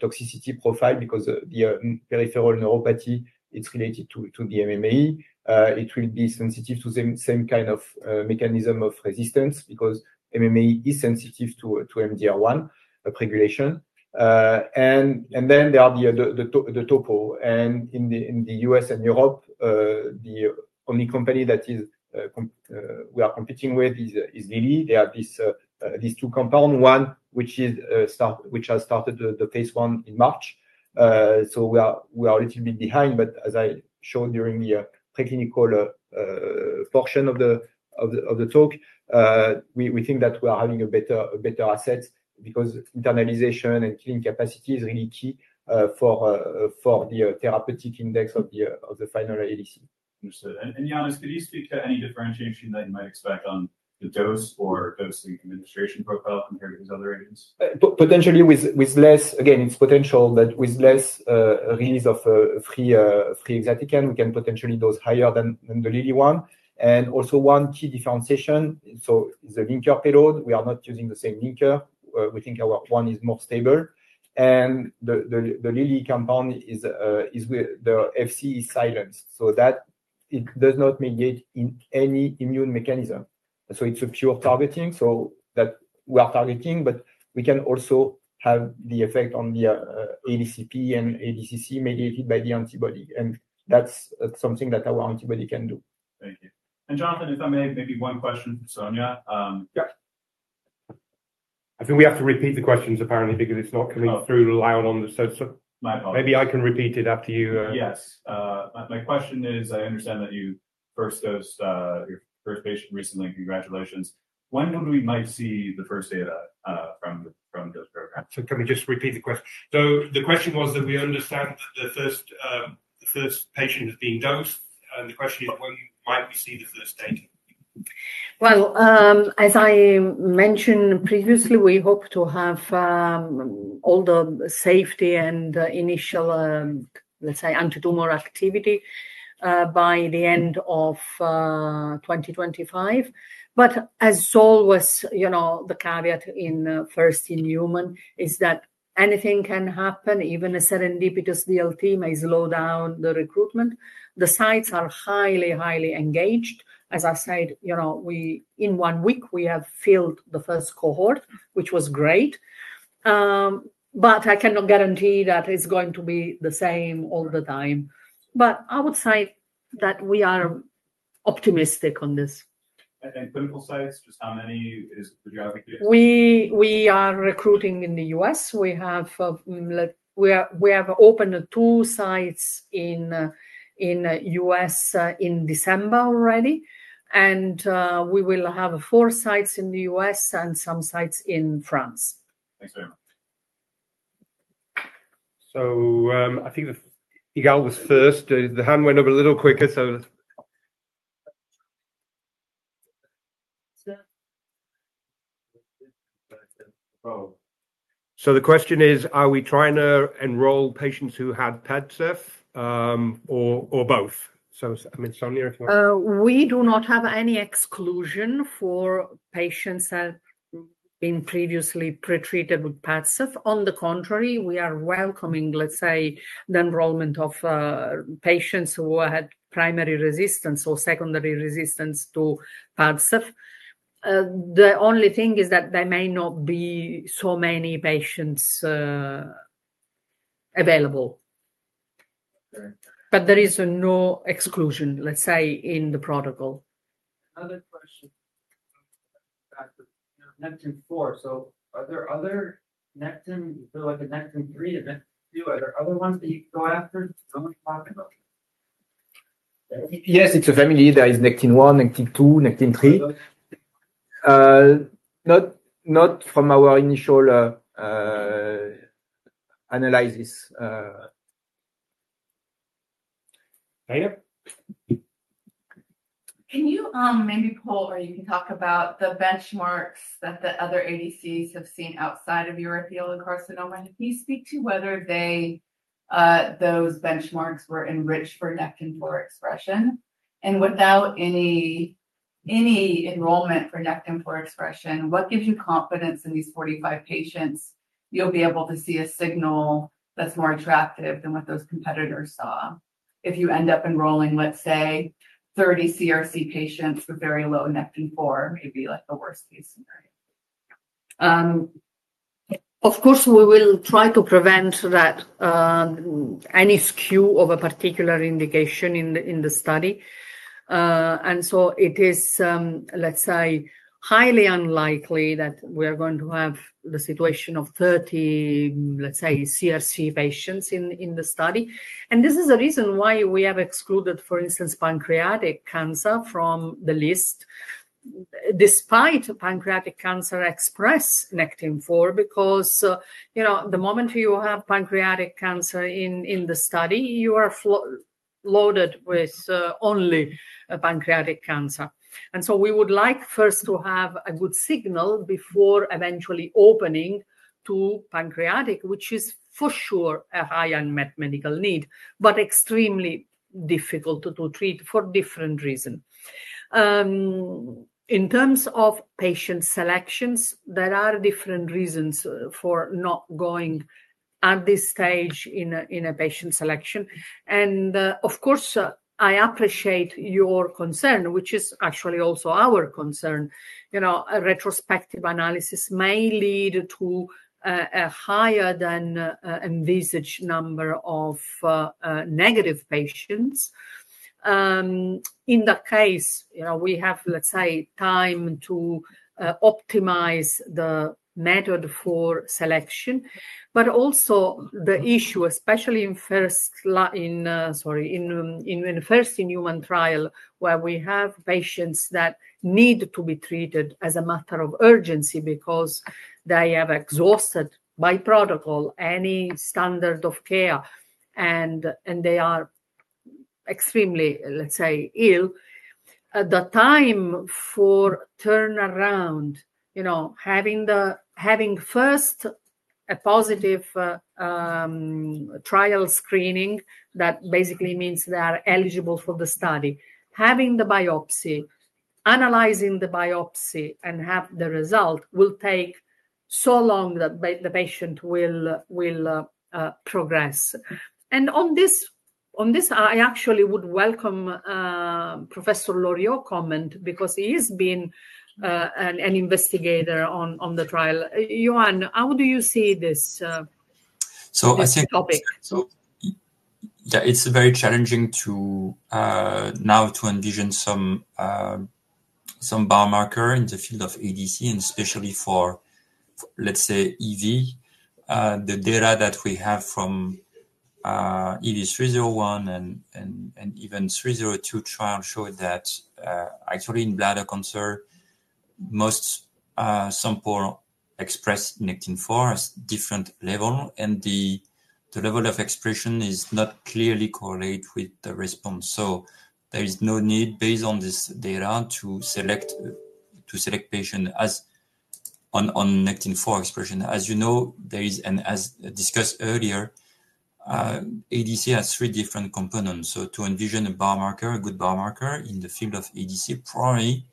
D: toxicity profile because the peripheral neuropathy, it's related to the MMAE. It will be sensitive to the same kind of mechanism of resistance because MMAE is sensitive to MDR1 upregulation. There are the topo. In the U.S. and Europe, the only company that we are competing with is Lilly. They have these two compounds, one which has started the phase one in March. We are a little bit behind, but as I showed during the preclinical portion of the talk, we think that we are having a better asset because internalization and killing capacity is really key for the therapeutic index of the final ADC. Understood. Yannis, could you speak to any differentiation that you might expect on the dose or dose administration profile compared to these other agents? Potentially with less, again, it's potential that with less release of free exatecan, we can potentially dose higher than the Lilly one. Also, one key differentiation, so it's a linker payload. We are not using the same linker. We think one is more stable. The Lilly compound is the Fc silent, so that it does not mediate in any immune mechanism. So it's a pure targeting. That we are targeting, but we can also have the effect on the ADCP and ADCC, mediated by the antibody. That is something that our antibody can do. Thank you. Jonathan, if I may, maybe one question for Sonia.
B: I think we have to repeat the questions apparently because it is not coming through loud on the. My apologies. Maybe I can repeat it after you. Yes. My question is, I understand that you first dosed your first patient recently. Congratulations. When might we see the first data from this program? Can we just repeat the question? The question was that we understand that the first patient has been dosed. The question is, when might we see the first data?
E: As I mentioned previously, we hope to have all the safety and initial, let's say, antitumor activity by the end of 2025. As always, the caveat in first in-human is that anything can happen. Even a serendipitous DLT, may slow down the recruitment. The sites are highly, highly engaged. As I said, in one week, we have filled the first cohort, which was great. I cannot guarantee that it's going to be the same all the time. I would say that we are optimistic on this. Clinical sites, just how many would you have? We are recruiting in the U.S. We have opened two sites in the U.S.in December already. We will have four sites in the U.S, and some sites in France. Thanks very much.
B: I think was first. The hand went up a little quicker. The question is, are we trying to enroll patients who had Padcev or both? I mean, Sonia, if you want.
E: We do not have any exclusion for patients that have been previously pretreated with Padcev. On the contrary, we are welcoming, let's say, the enrollment of patients who had primary resistance or secondary resistance to Padcev. The only thing is that there may not be so many patients available. There is no exclusion, let's say, in the protocol. Another question. Nectin-4. Are there other Nectin, like a Nectin-3 and Nectin-2? Are there other ones that you can go after? No one's talking about them.
D: Yes, it's a family that is Nectin-1, Nectin-2, Nectin-3. Not from our initial analysis. Can you maybe pull or you can talk about the benchmarks that the other ADCs, have seen outside of urothelial carcinoma? Can you speak to whether those benchmarks were enriched for Nectin-4 expression? Without any enrollment for Nectin-4 expression, what gives you confidence in these 45 patients you'll be able to see a signal that's more attractive than what those competitors saw? If you end up enrolling, let's say, 30 CRC patients, with very low Nectin-4, maybe like the worst case scenario.
E: Of course, we will try to prevent any skew of a particular indication in the study. It is, let's say, highly unlikely that we are going to have the situation of 30, let's say, CRC patients, in the study. This is the reason why we have excluded, for instance, pancreatic cancer from the list, despite pancreatic cancer expressing Nectin-4, because the moment you have pancreatic cancer in the study, you are loaded with only pancreatic cancer. We would like first to have a good signal before eventually opening to pancreatic, which is for sure a high unmet medical need, but extremely difficult to treat for different reasons. In terms of patient selections, there are different reasons for not going at this stage in a patient selection. I appreciate your concern, which is actually also our concern. Retrospective analysis may lead to a higher than envisaged number of negative patients. In that case, we have, let's say, time to optimize the method for selection. Also, the issue, especially in first, sorry, in first in-human trial, where we have patients that need to be treated as a matter of urgency because they have exhausted by protocol any standard of care, and they are extremely, let's say, ill. The time for turnaround, having first a positive trial screening that basically means they are eligible for the study, having the biopsy, analyzing the biopsy, and have the result will take so long that the patient will progress. On this, I actually would welcome Professor Loriot's, comment because he has been an investigator on the trial. Johann, how do you see this topic?
C: I think it's very challenging now to envision some biomarker in the field of ADC, and especially for, let's say, EV. The data that we have from EV301 and even 302, trial showed that actually in bladder cancer, most samples express Nectin-4, at different levels, and the level of expression is not clearly correlated with the response. There is no need based on this data to select patients on Nectin-4 expression. As you know, as discussed earlier, ADC, has three different components. To envision a biomarker, a good biomarker in the field of ADC, probably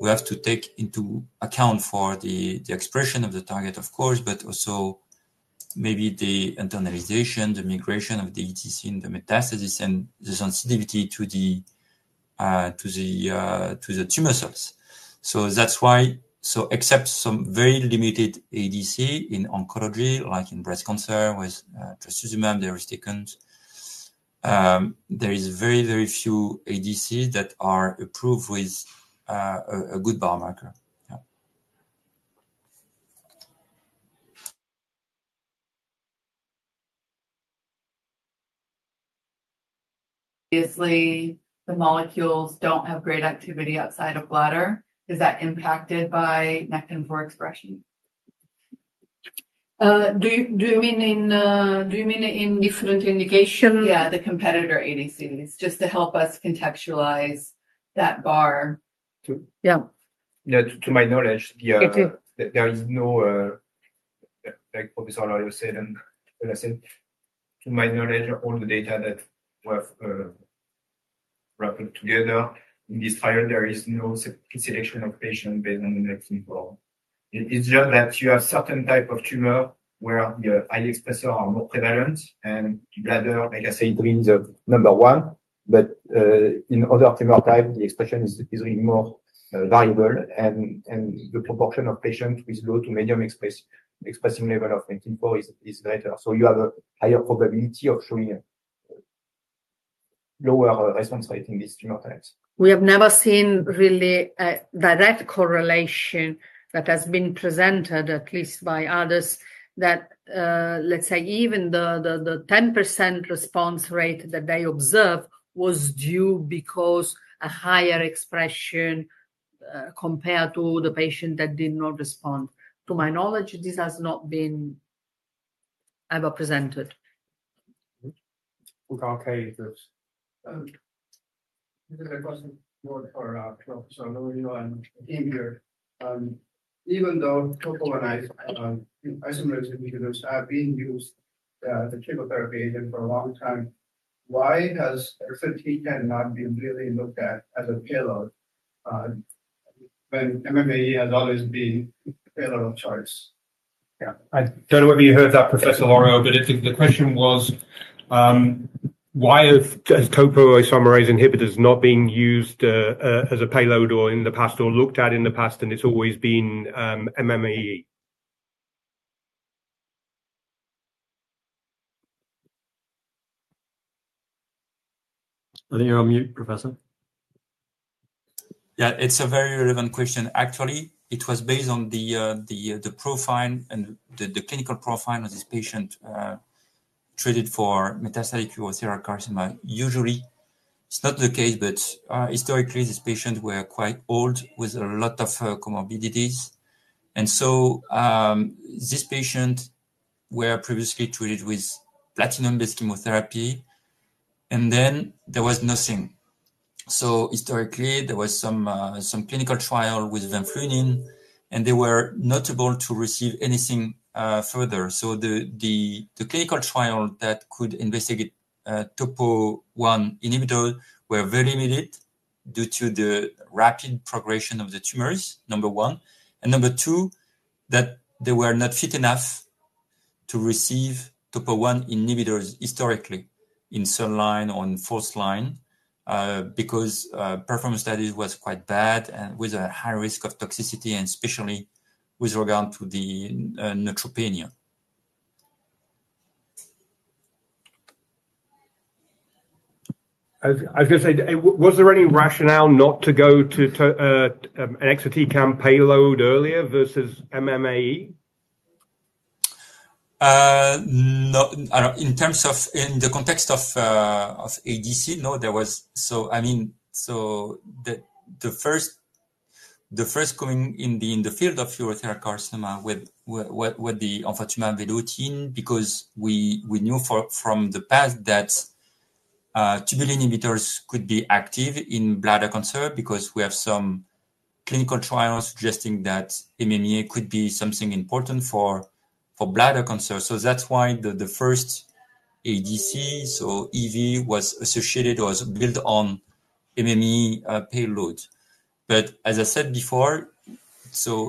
C: we have to take into account the expression of the target, of course, but also maybe the internalization, the migration of the ADC, in the metastasis, and the sensitivity to the tumor cells. That's why, except some very limited ADC in oncology, like in breast cancer with trastuzumab deruxtecan, there are very, very few ADCs, that are approved with a good biomarker. Obviously, the molecules don't have great activity outside of bladder. Is that impacted by Nectin-4 expression?
E: Do you mean in different indications? Yeah, the competitor ADCs, just to help us contextualize that bar. Yeah.
D: To my knowledge, there is no, like Professor Loriot said, to my knowledge, all the data that we have wrapped together in this trial, there is no selection of patients based on the Nectin-4. It's just that you have certain types of tumors where the high expressors are more prevalent, and bladder, like I said, is number one, but in other tumor types, the expression is really more variable, and the proportion of patients with low to medium expressing level of Nectin-4, is greater. You have a higher probability of showing lower response rate in these tumor types.
E: We have never seen really a direct correlation that has been presented, at least by others, that, let's say, even the 10%, response rate that they observed was due because of a higher expression compared to the patient that did not respond. To my knowledge, this has not been ever presented. Okay. Is there a question for Professor Loriot, and Yves here? Even though topo and isomerase inhibitors have been used as a chemotherapy agent for a long time, why has trastuzumab, not been really looked at as a payload when MMAE, has always been a payload of choice?
B: Yeah. I don't know whether you heard that, Professor Loriot, but the question was, why have topo isomerase inhibitors not been used as a payload or in the past or looked at in the past, and it's always been MMAE? I think you're on mute, Professor.
C: Yeah, it's a very relevant question. Actually, it was based on the profile and the clinical profile of this patient treated for metastatic urothelial carcinoma. Usually, it's not the case, but historically, these patients were quite old with a lot of comorbidities. This patient was previously treated with platinum-based chemotherapy, and then there was nothing. Historically, there was some clinical trial with vinflunine, and they were not able to receive anything further. The clinical trial that could investigate topo I inhibitors was very limited due to the rapid progression of the tumors, number one. Number two, they were not fit enough to receive topo I inhibitors historically in third line or in fourth line because performance studies were quite bad and with a high risk of toxicity, and especially with regard to the neutropenia.
B: I was going to say, was there any rationale not to go to an exatecan payload earlier versus MMAE?
C: In the context of ADC, no, there was. I mean, the first coming in the field of urothelial carcinoma with the onco tumor veloute, because we knew from the past that tubulin inhibitors could be active in bladder cancer because we have some clinical trials suggesting that MMAE could be something important for bladder cancer. That is why the first ADC, so EV, was associated or was built on MMAE payload. As I said before,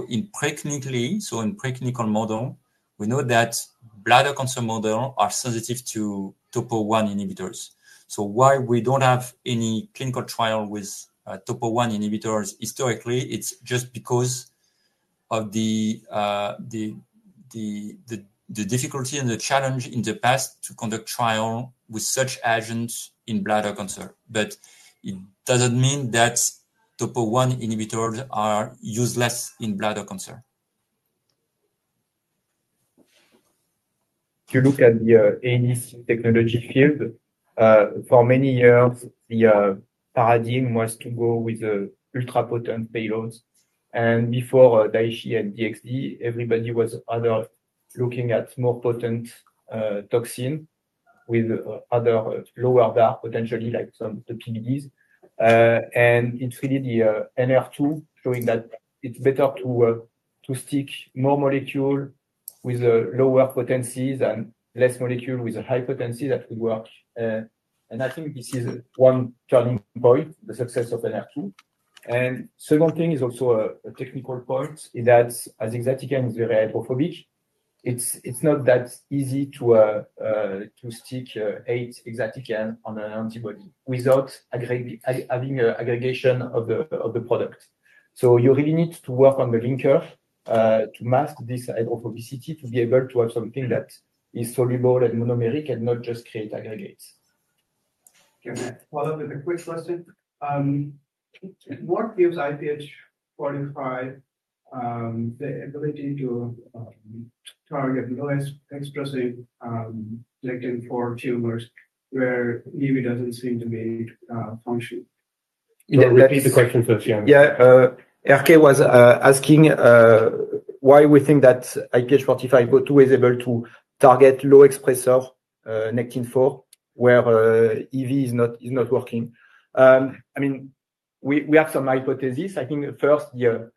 C: in pre-clinical model, we know that bladder cancer models are sensitive to topo I inhibitors. Why we do not have any clinical trial with topo I inhibitors historically, it is just because of the difficulty and the challenge in the past to conduct trials with such agents in bladder cancer. It does not mean that topo I inhibitors are useless in bladder cancer. If you look at the ADC technology field, for many years, the paradigm was to go with ultra-potent payloads. Before Daiichi and DXd, everybody was either looking at more potent toxins with other lower bar, potentially like some PBDs. It's really the DXd showing that it's better to stick more molecules with lower potencies and less molecules with high potencies that could work. I think this is one turning point, the success of DXd. The second thing is also a technical point, that as exatecan is very hydrophobic, it's not that easy to stick eight exatecan on an antibody without having aggregation of the product. You really need to work on the linker to mask this hydrophobicity to be able to have something that is soluble and monomeric and not just create aggregates. Okay. One other quick question. What gives IPH4502, the ability to target low-expressive Nectin-4 tumors, where EV doesn't seem to be functioning?
B: Yeah, repeat the question first, Yohann.
D: Yeah. was asking why we think that IPH4502,is able to target low-expressor Nectin-4, where EV, is not working. I mean, we have some hypotheses. I think first, the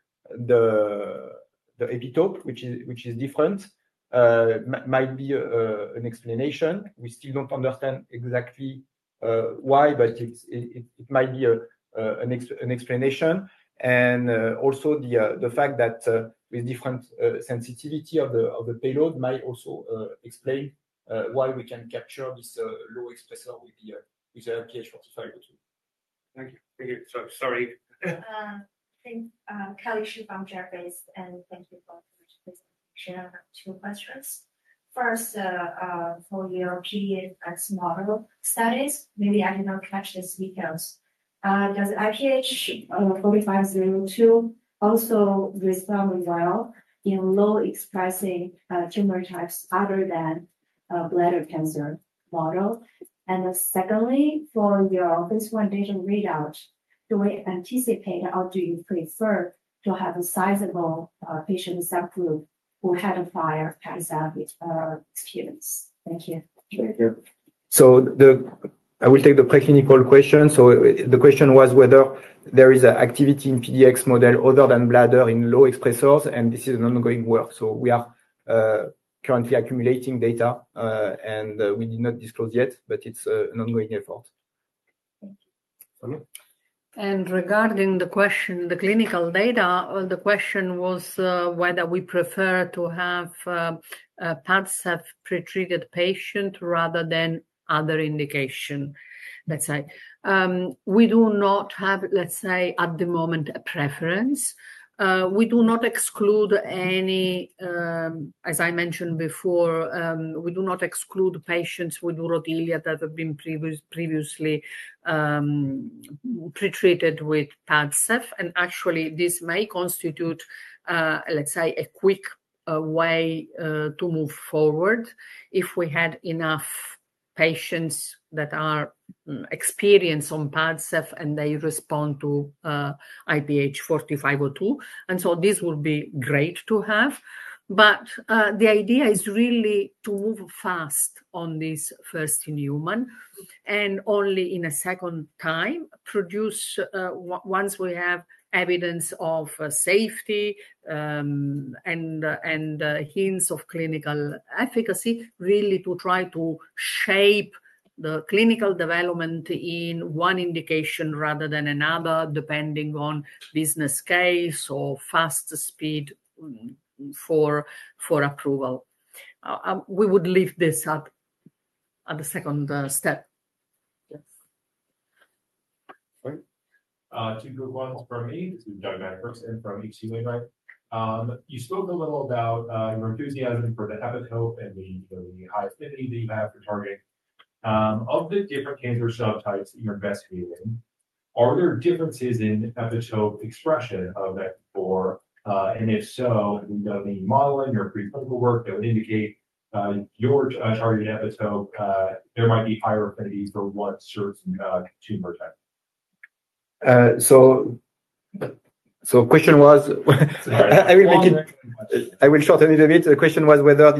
D: epitope, which is different, might be an explanation. We still don't understand exactly why, but it might be an explanation. Also, the fact that with different sensitivity of the payload might also explain why we can capture this low-expressor with the IPH4502. Thank you.
C: Thank you. Sorry. I think Kelly Shubham, Jefferies, and thank you both for your presentation. I have two questions. First, for your PDX model studies, maybe I did not catch this because does IPH4502 also respond well in low-expressing tumor types other than bladder cancer model? Secondly, for your phase one data readout, do we anticipate or do you prefer to have a sizable patient sample who had a prior pathologic experience? Thank you.
D: Thank you. I will take the pre-clinical question. The question was whether there is an activity in PDX model, other than bladder in low-expressors, and this is an ongoing work. We are currently accumulating data, and we did not disclose yet, but it is an ongoing effort. Thank you.
E: Regarding the clinical data, the question was whether we prefer to have PATSF, pretreated patient rather than other indication. Let's say we do not have, at the moment, a preference. We do not exclude any, as I mentioned before, we do not exclude patients with urothelial that have been previously pretreated with PATSF. Actually, this may constitute, let's say, a quick way to move forward if we had enough patients that are experienced on Padcev, and they respond to IPH4502. This would be great to have. The idea is really to move fast on this first in-human and only in a second time produce, once we have evidence of safety and hints of clinical efficacy, really to try to shape the clinical development in one indication rather than another, depending on business case or fast speed for approval. We would leave this at the second step. Yes. All right. Two quick ones from me. This is Doug Matthiasson, from HC Wainwright. You spoke a little about your enthusiasm for the epitope and the high affinity that you have for targeting. Of the different cancer subtypes that you're investigating, are there differences in epitope expression of Nectin-4? If so, have you done any modeling or preclinical work that would indicate your targeted epitope? There might be higher affinity for one certain tumor type.
D: The question was, I will shorten it a bit. The question was whether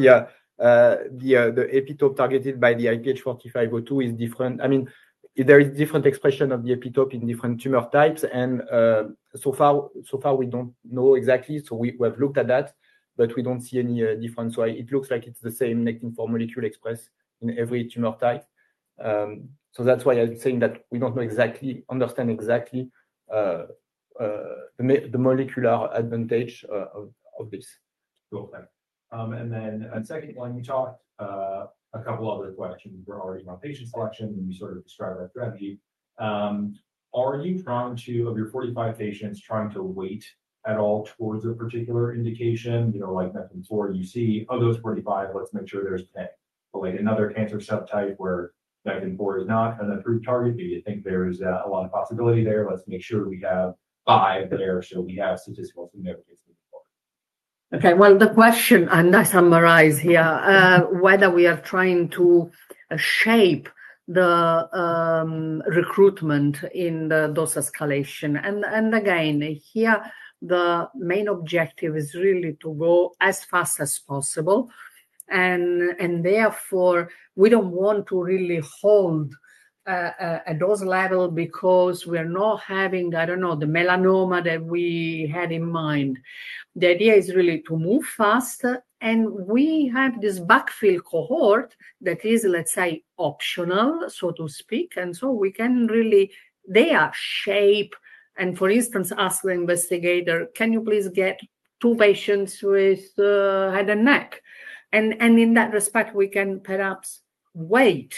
D: the epitope targeted by the IPH4502, is different. I mean, there is different expression of the epitope in different tumor types. So far, we do not know exactly. We have looked at that, but we do not see any difference. It looks like it is the same Nectin-4 molecule, expressed in every tumor type. That is why I am saying that we do not understand exactly the molecular advantage of this. Okay. A second one, you talked, a couple of other questions were already about patient selection, and you sort of described that threadly. Are you trying to, of your 45 patients, trying to weight at all towards a particular indication, like Nectin-4, UC? Of those 45, let's make sure there's 10. Like another cancer subtype where Nectin-4, is not an approved target, do you think there is a lot of possibility there? Let's make sure we have five there so we have statistical significance moving forward.
E: Okay. The question I'm going to summarize here, whether we are trying to shape the recruitment in the dose escalation. Again, here, the main objective is really to go as fast as possible. Therefore, we don't want to really hold at those levels because we are not having, I don't know, the melanoma that we had in mind. The idea is really to move fast. We have this backfill cohort that is, let's say, optional, so to speak. We can really shape. For instance, ask the investigator, "Can you please get two patients with head and neck?" In that respect, we can perhaps wait,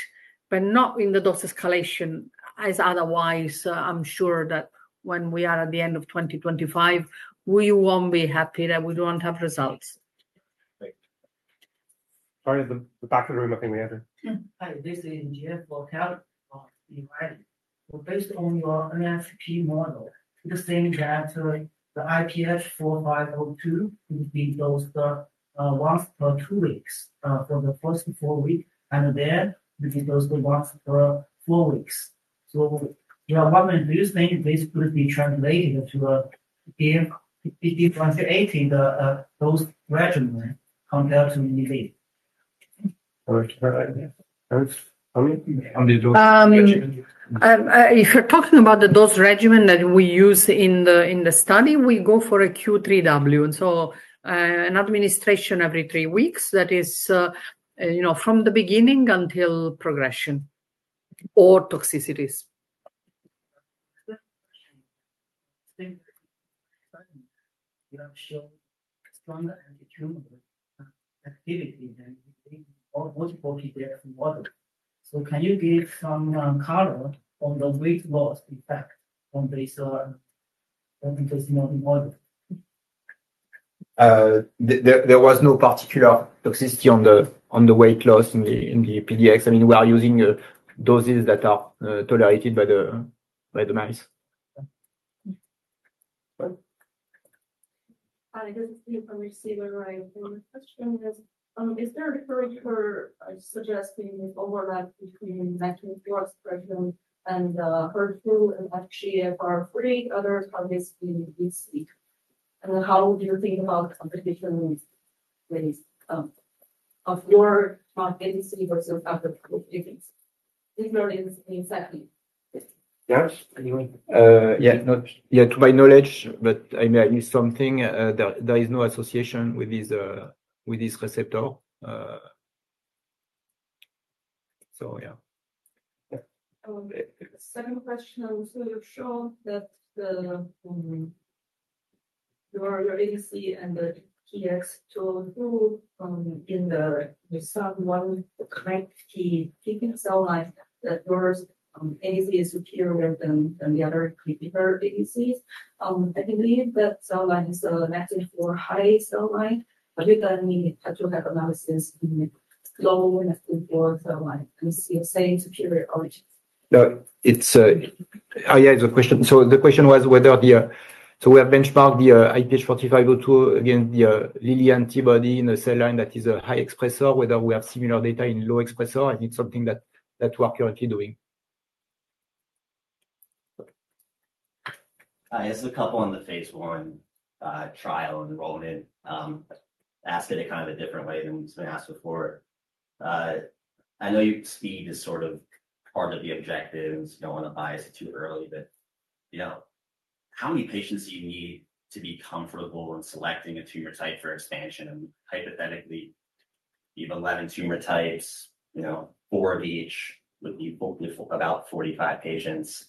E: but not in the dose escalation as otherwise. I'm sure that when we are at the end of 2025, we won't be happy that we don't have results.
B: Right. Sorry, the back of the room up in the end. Hi, this is Jeff Walkhout, of EY. Based on your PDX model, we're saying that the IPH4502, will be dosed once per two weeks for the first four weeks, and then will be dosed once per four weeks. Your one-man dosing basically would be translated to a Q3W dose regimen compared to EV.
E: If you're talking about the dose regimen that we use in the study, we go for a Q3W. An administration every three weeks is from the beginning until progression or toxicities. Stronger anti-tumor activity than most 40-day model. Can you give some color on the weight loss effect on this anti-tumor model?
C: There was no particular toxicity on the weight loss in the PDX. I mean, we are using doses that are tolerated by the mice. Hi, this is Kim from HC Wainwright. My question is, is there a current curve suggesting overlap between Nectin-4's regimen and HER2 and FGFR3, other targets in UC? How do you think about competition of your ADC versus other targets? Please learn exactly.
B: Josh?
C: Yeah, not yet to my knowledge, but I may add something. There is no association with this receptor. Yeah. Second question. You have shown that your ADC and the PDX2, in the sub-1 connective tissue cell line, that yours is superior than the other critical ADCs. I believe that cell line is a Nectin-4 high cell line, but we do not need to have analysis in low Nectin-4 cell line. Are you saying superior origin?
D: Yeah, it is a question. The question was whether we have benchmarked the IPH4502, against the Lilly antibody in the cell line that is a high expressor, whether we have similar data in low expressor. I think it is something that we are currently doing. Hi, this is a couple in the phase one trial enrollment. Ask it in kind of a different way than someone asked before. I know speed is sort of part of the objective. I don't want to bias it too early, but how many patients do you need to be comfortable in selecting a tumor type for expansion? Hypothetically, you have 11 tumor types, four of each would be about 45 patients.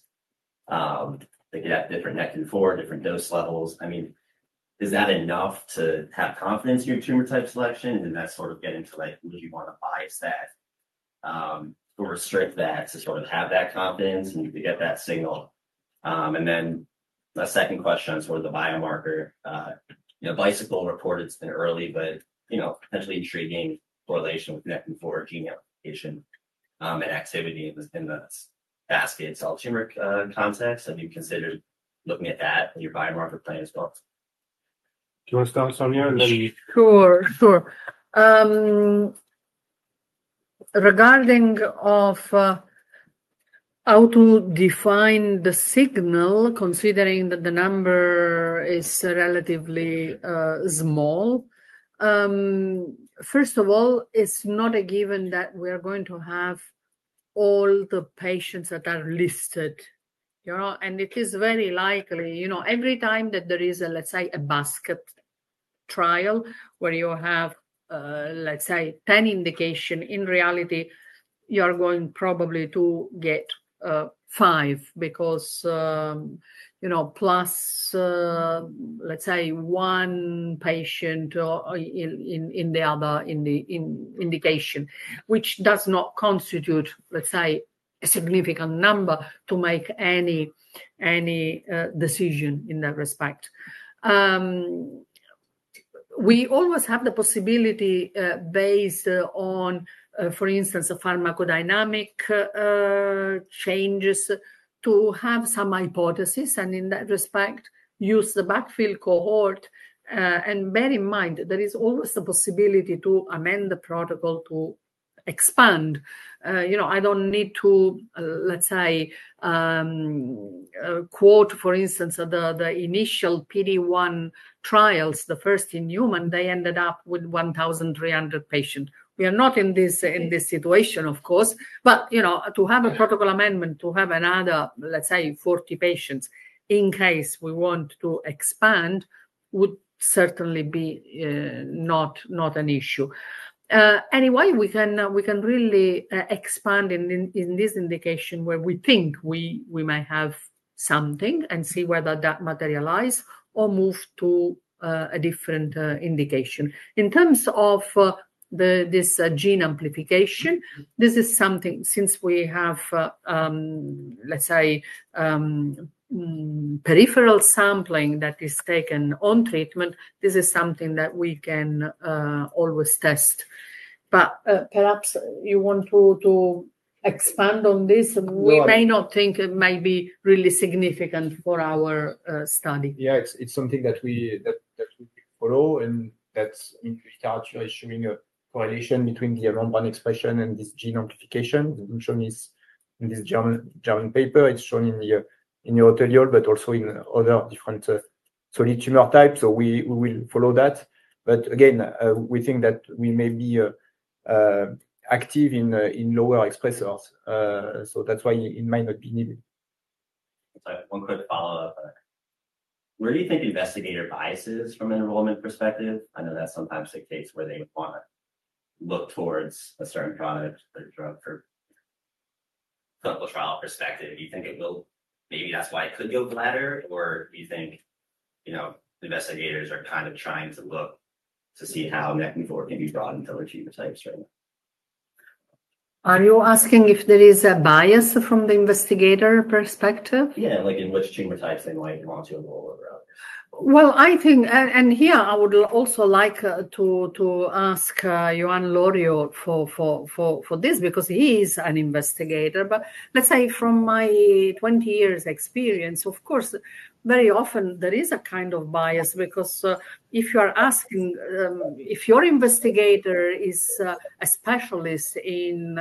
D: They could have different Nectin-4, different dose levels. I mean, is that enough to have confidence in your tumor type selection? That is sort of getting to like, would you want to bias that or restrict that to sort of have that confidence and to get that signal? My second question is sort of the biomarker. Bicycle reported it's been early, but potentially intriguing correlation with Nectin-4 gene application, and activity in the basket cell tumor context. Have you considered looking at that in your biomarker plan as well?
B: Do you want to start, Sonia?
E: Sure. Sure. Regarding how to define the signal, considering that the number is relatively small, first of all, it's not a given that we are going to have all the patients that are listed. It is very likely every time that there is a, let's say, a basket trial where you have, let's say, 10 indications, in reality, you are going probably to get five because plus, let's say, one patient in the other indication, which does not constitute, let's say, a significant number to make any decision in that respect. We always have the possibility based on, for instance, pharmacodynamic changes, to have some hypothesis. In that respect, use the backfill cohort. Bear in mind that there is always the possibility to amend the protocol to expand. I don't need to, let's say, quote, for instance, the initial PD-1 trials, the first in-human, they ended up with 1,300 patients. We are not in this situation, of course. To have a protocol amendment to have another, let's say, 40 patients in case, we want to expand would certainly be not an issue. Anyway, we can really expand in this indication where we think we might have something and see whether that materializes or move to a different indication. In terms of this gene amplification, this is something since we have, let's say, peripheral sampling that is taken on treatment, this is something that we can always test. Perhaps you want to expand on this. We may not think it may be really significant for our study.
C: Yeah, it's something that we follow. I mean, we start showing a correlation between the ROM1 expression, and this gene amplification. It is shown in this German paper. It is shown in urothelial, but also in other different solid tumor types. We will follow that. Again, we think that we may be active in lower expressors. That is why it might not be needed. One quick follow-up. Where do you think investigator bias is from an enrollment perspective? I know that sometimes it takes where they want to look towards a certain product or drug for clinical trial perspective. Do you think it will maybe that is why it could go bladder? Or do you think investigators are kind of trying to look to see how Nectin-4, can be brought into other tumor types right now?
E: Are you asking if there is a bias from the investigator perspective? Yeah, like in which tumor types they might want to enroll or otherwise. I think, and here, I would also like to ask Yohann Loriot, for this because he is an investigator. Let's say from my 20 years' experience, of course, very often there is a kind of bias because if you are asking if your investigator is a specialist in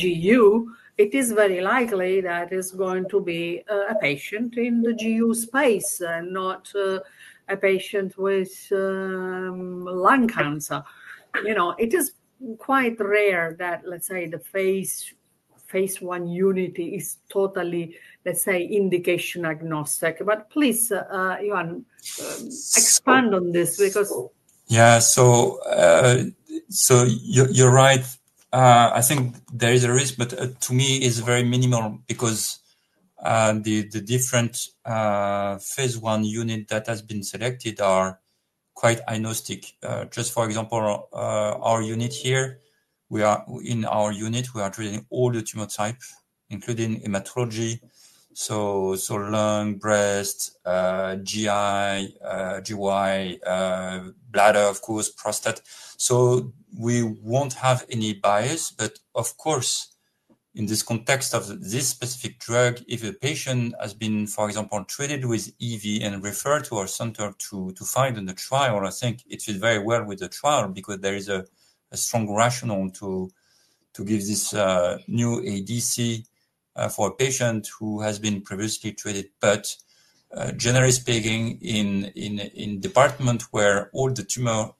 E: GU, it is very likely that it's going to be a patient in the GU space, and not a patient with lung cancer. It is quite rare that, let's say, the phase one unit is totally, let's say, indication agnostic. Please, Johann, expand on this because.
C: Yeah. You're right. I think there is a risk, but to me, it's very minimal because the different phase one unit that has been selected are quite agnostic. Just for example, our unit here, in our unit, we are treating all the tumor types, including hematology. Lung, breast, GY, GY, bladder, of course, prostate. We will not have any bias. Of course, in this context of this specific drug, if a patient has been, for example, treated with EV, and referred to our center to find in the trial, I think it fits very well with the trial because there is a strong rationale to give this new ADC, for a patient who has been previously treated. Generally speaking, in departments where all the tumor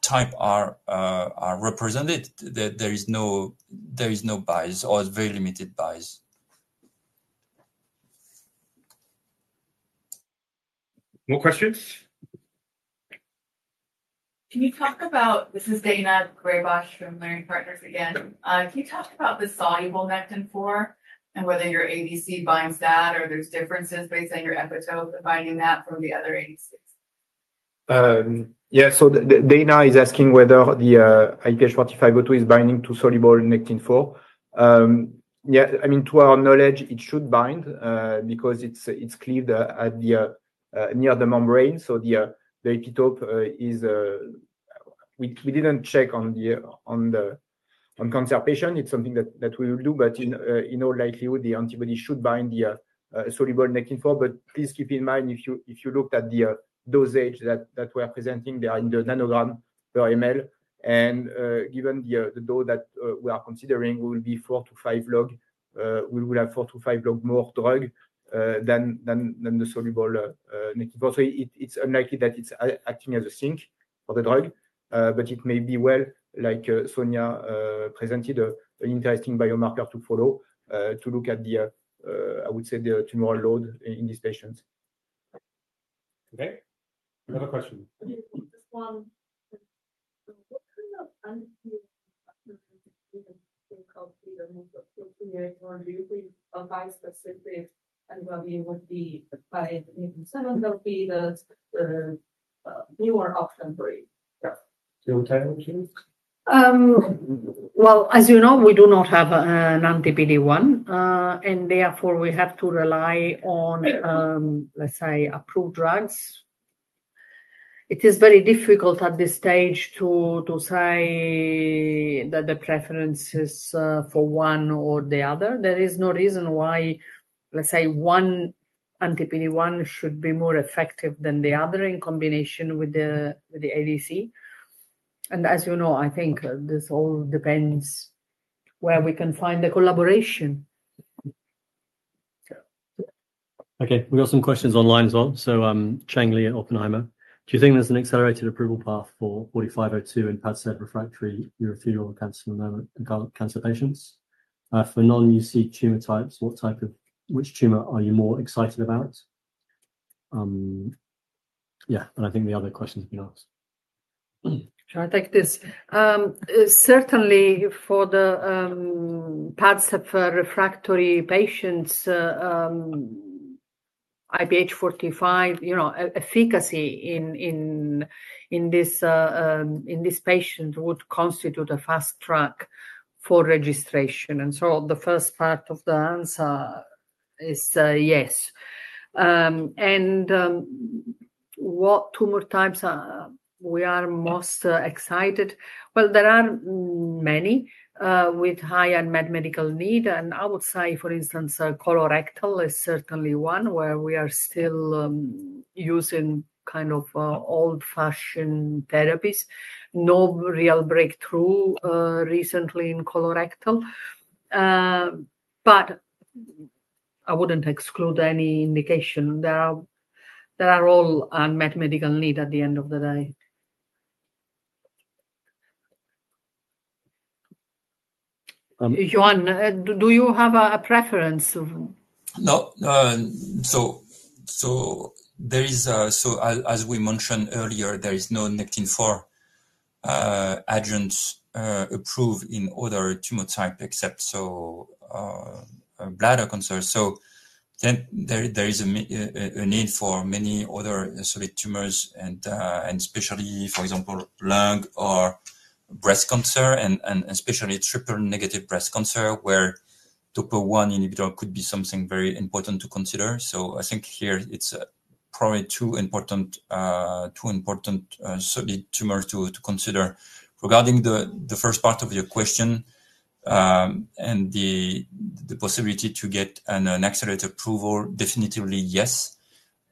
C: types are represented, there is no bias or very limited bias.
F: More questions? Can you talk about this is Dana Graybosch, from Leerink Partners again. Can you talk about the soluble Nectin-4, and whether your ADC binds, that or there's differences based on your epitope of binding that from the other ADCs?
C: Yeah. So Dana, is asking whether the IPH4502, is binding to soluble Nectin-4. Yeah. I mean, to our knowledge, it should bind because it's cleaved near the membrane. So the epitope is we didn't check on the conservation. It's something that we will do. But in all likelihood, the antibody should bind the soluble Nectin-4. Please keep in mind, if you looked at the dosage that we are presenting, they are in the nanogram per mL. Given the dose that we are considering, we will be four to five log. We will have four to five log more drug than the soluble Nectin-4. It's unlikely that it's acting as a sink for the drug. It may be, like Sonia presented, an interesting biomarker to follow to look at the, I would say, the tumor load in these patients. Okay. Another question. Just one. What kind of antibody do you think is called the most appropriate or do you think bispecific antibody would be by some of the newer option for you?
B: Yeah. Your time, Jim.
E: As you know, we do not have an antibody one. Therefore, we have to rely on, let's say, approved drugs. It is very difficult at this stage to say that the preference is for one or the other. There is no reason why, let's say, one antibody one should be more effective than the other in combination with the ADC. As you know, I think this all depends where we can find the collaboration.
B: Okay. We've got some questions online as well. Chang Li, at Oppenheimer. Do you think there's an accelerated approval path for 4502 in Padcev, refractory urothelial cancer patients? For non-UC tumor types, which tumor are you more excited about? Yeah. I think the other questions have been asked.
E: Sure. I'll take this. Certainly, for the Padcev, refractory patients, IPH4502 efficacy, in this patient would constitute a fast track for registration. The first part of the answer is yes. What tumor types we are most excited? There are many with high unmet medical need. I would say, for instance, colorectal is certainly one where we are still using kind of old-fashioned therapies. No real breakthrough recently in colorectal. I wouldn't exclude any indication. There are all unmet medical needs at the end of the day. Yuan, do you have a preference? No.
C: As we mentioned earlier, there is no Nectin-4 agent, approved in other tumor types except bladder cancer. There is a need for many other solid tumors, and especially, for example, lung or breast cancer, and especially triple-negative breast cancer, where PD-1 inhibitor, could be something very important to consider. I think here it's probably two important solid tumors to consider. Regarding the first part of your question and the possibility to get an accelerated approval, definitely yes.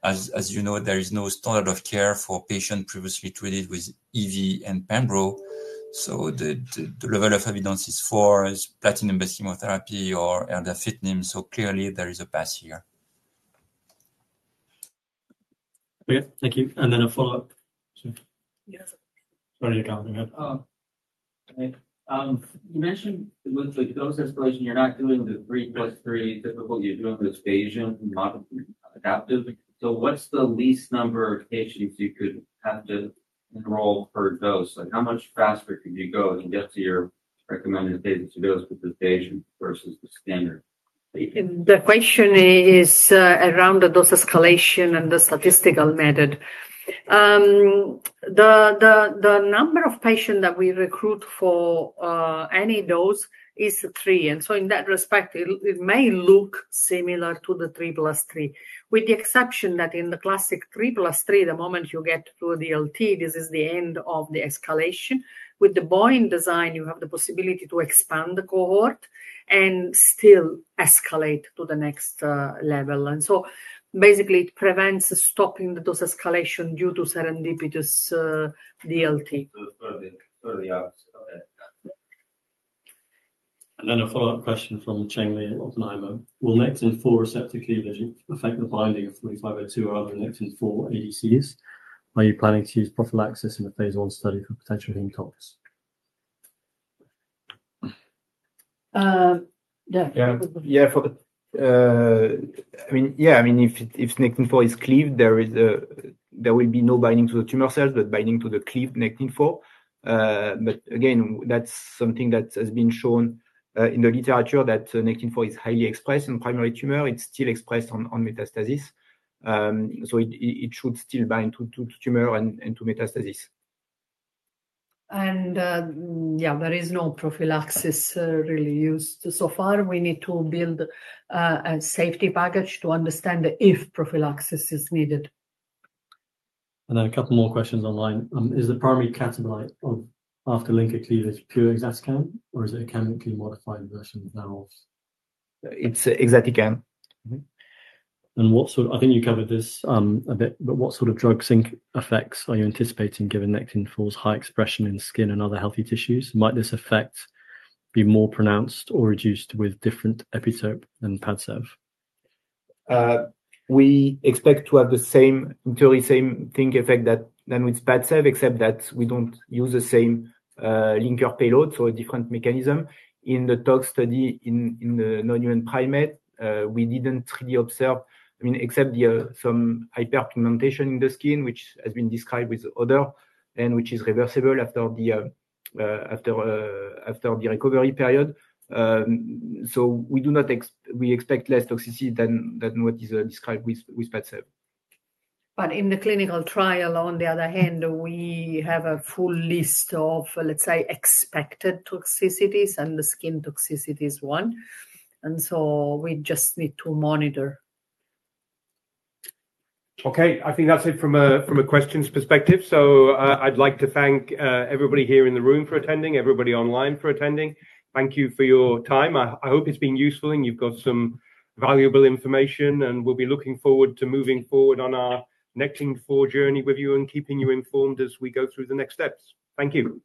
C: As you know, there is no standard of care for patients previously treated with EV and Pembro. The level of evidence is four. It's platinum-based chemotherapy or elder fitness. Clearly, there is a bias here. Okay. Thank you. A follow-up. Sorry to cut you in. You mentioned with the dose escalation, you're not doing the 3 plus 3 typical. You're doing the phage and adaptive. What's the least number of patients you could have to enroll per dose? How much faster could you go to get to your recommended phase II dose with the phage versus the standard?
E: The question is around the dose escalation and the statistical method. The number of patients that we recruit for any dose is three. In that respect, it may look similar to the 3 plus 3, with the exception that in the classic 3 plus 3, the moment you get to the DLT, this is the end of the escalation. With the Boeing design, you have the possibility to expand the cohort and still escalate to the next level. Basically, it prevents stopping the dose escalation due to serendipitous DLT.
B: A follow-up question from Chang Li, at Oppenheimer. Will Nectin-4 receptor, cleavage affect the binding of 4502 or other Nectin-4 ADCs? Are you planning to use prophylaxis in a phase one study for potential hematomas?
D: Yeah. Yeah. I mean, yeah. I mean, if Nectin-4 is cleaved, there will be no binding to the tumor cells, but binding to the cleaved Nectin-4. I mean, that's something that has been shown in the literature that Nectin-4, is highly expressed in primary tumor. It's still expressed on metastasis. It should still bind to tumor and to metastasis.
E: Yeah, there is no prophylaxis, really used so far. We need to build a safety package to understand if prophylaxis is needed.
B: A couple more questions online. Is the primary catabolite of after linked cleavage pure exatecan, or is it a chemically modified version of?
D: It's exatecan.
B: I think you covered this a bit, but what sort of drug sync effects are you anticipating given Nectin-4's, high expression in skin and other healthy tissues? Might this effect be more pronounced or reduced with different epitope and Padcev?
D: We expect to have the same in theory same thing effect than with Padcev, except that we don't use the same linker payload or a different mechanism. In the TOX study, in the non-human primate, we didn't really observe, I mean, except some hyperpigmentation in the skin, which has been described with other, and which is reversible after the recovery period. We expect less toxicity than what is described with Padcev. In the clinical trial, on the other hand, we have a full list of, let's say, expected toxicities and the skin toxicities one. We just need to monitor. Okay.
C: I think that's it from a questions perspective. I would like to thank everybody here in the room for attending, everybody online for attending. Thank you for your time. I hope it's been useful and you've got some valuable information. We will be looking forward to moving forward on our Nectin-4 journey with you and keeping you informed as we go through the next steps. Thank you.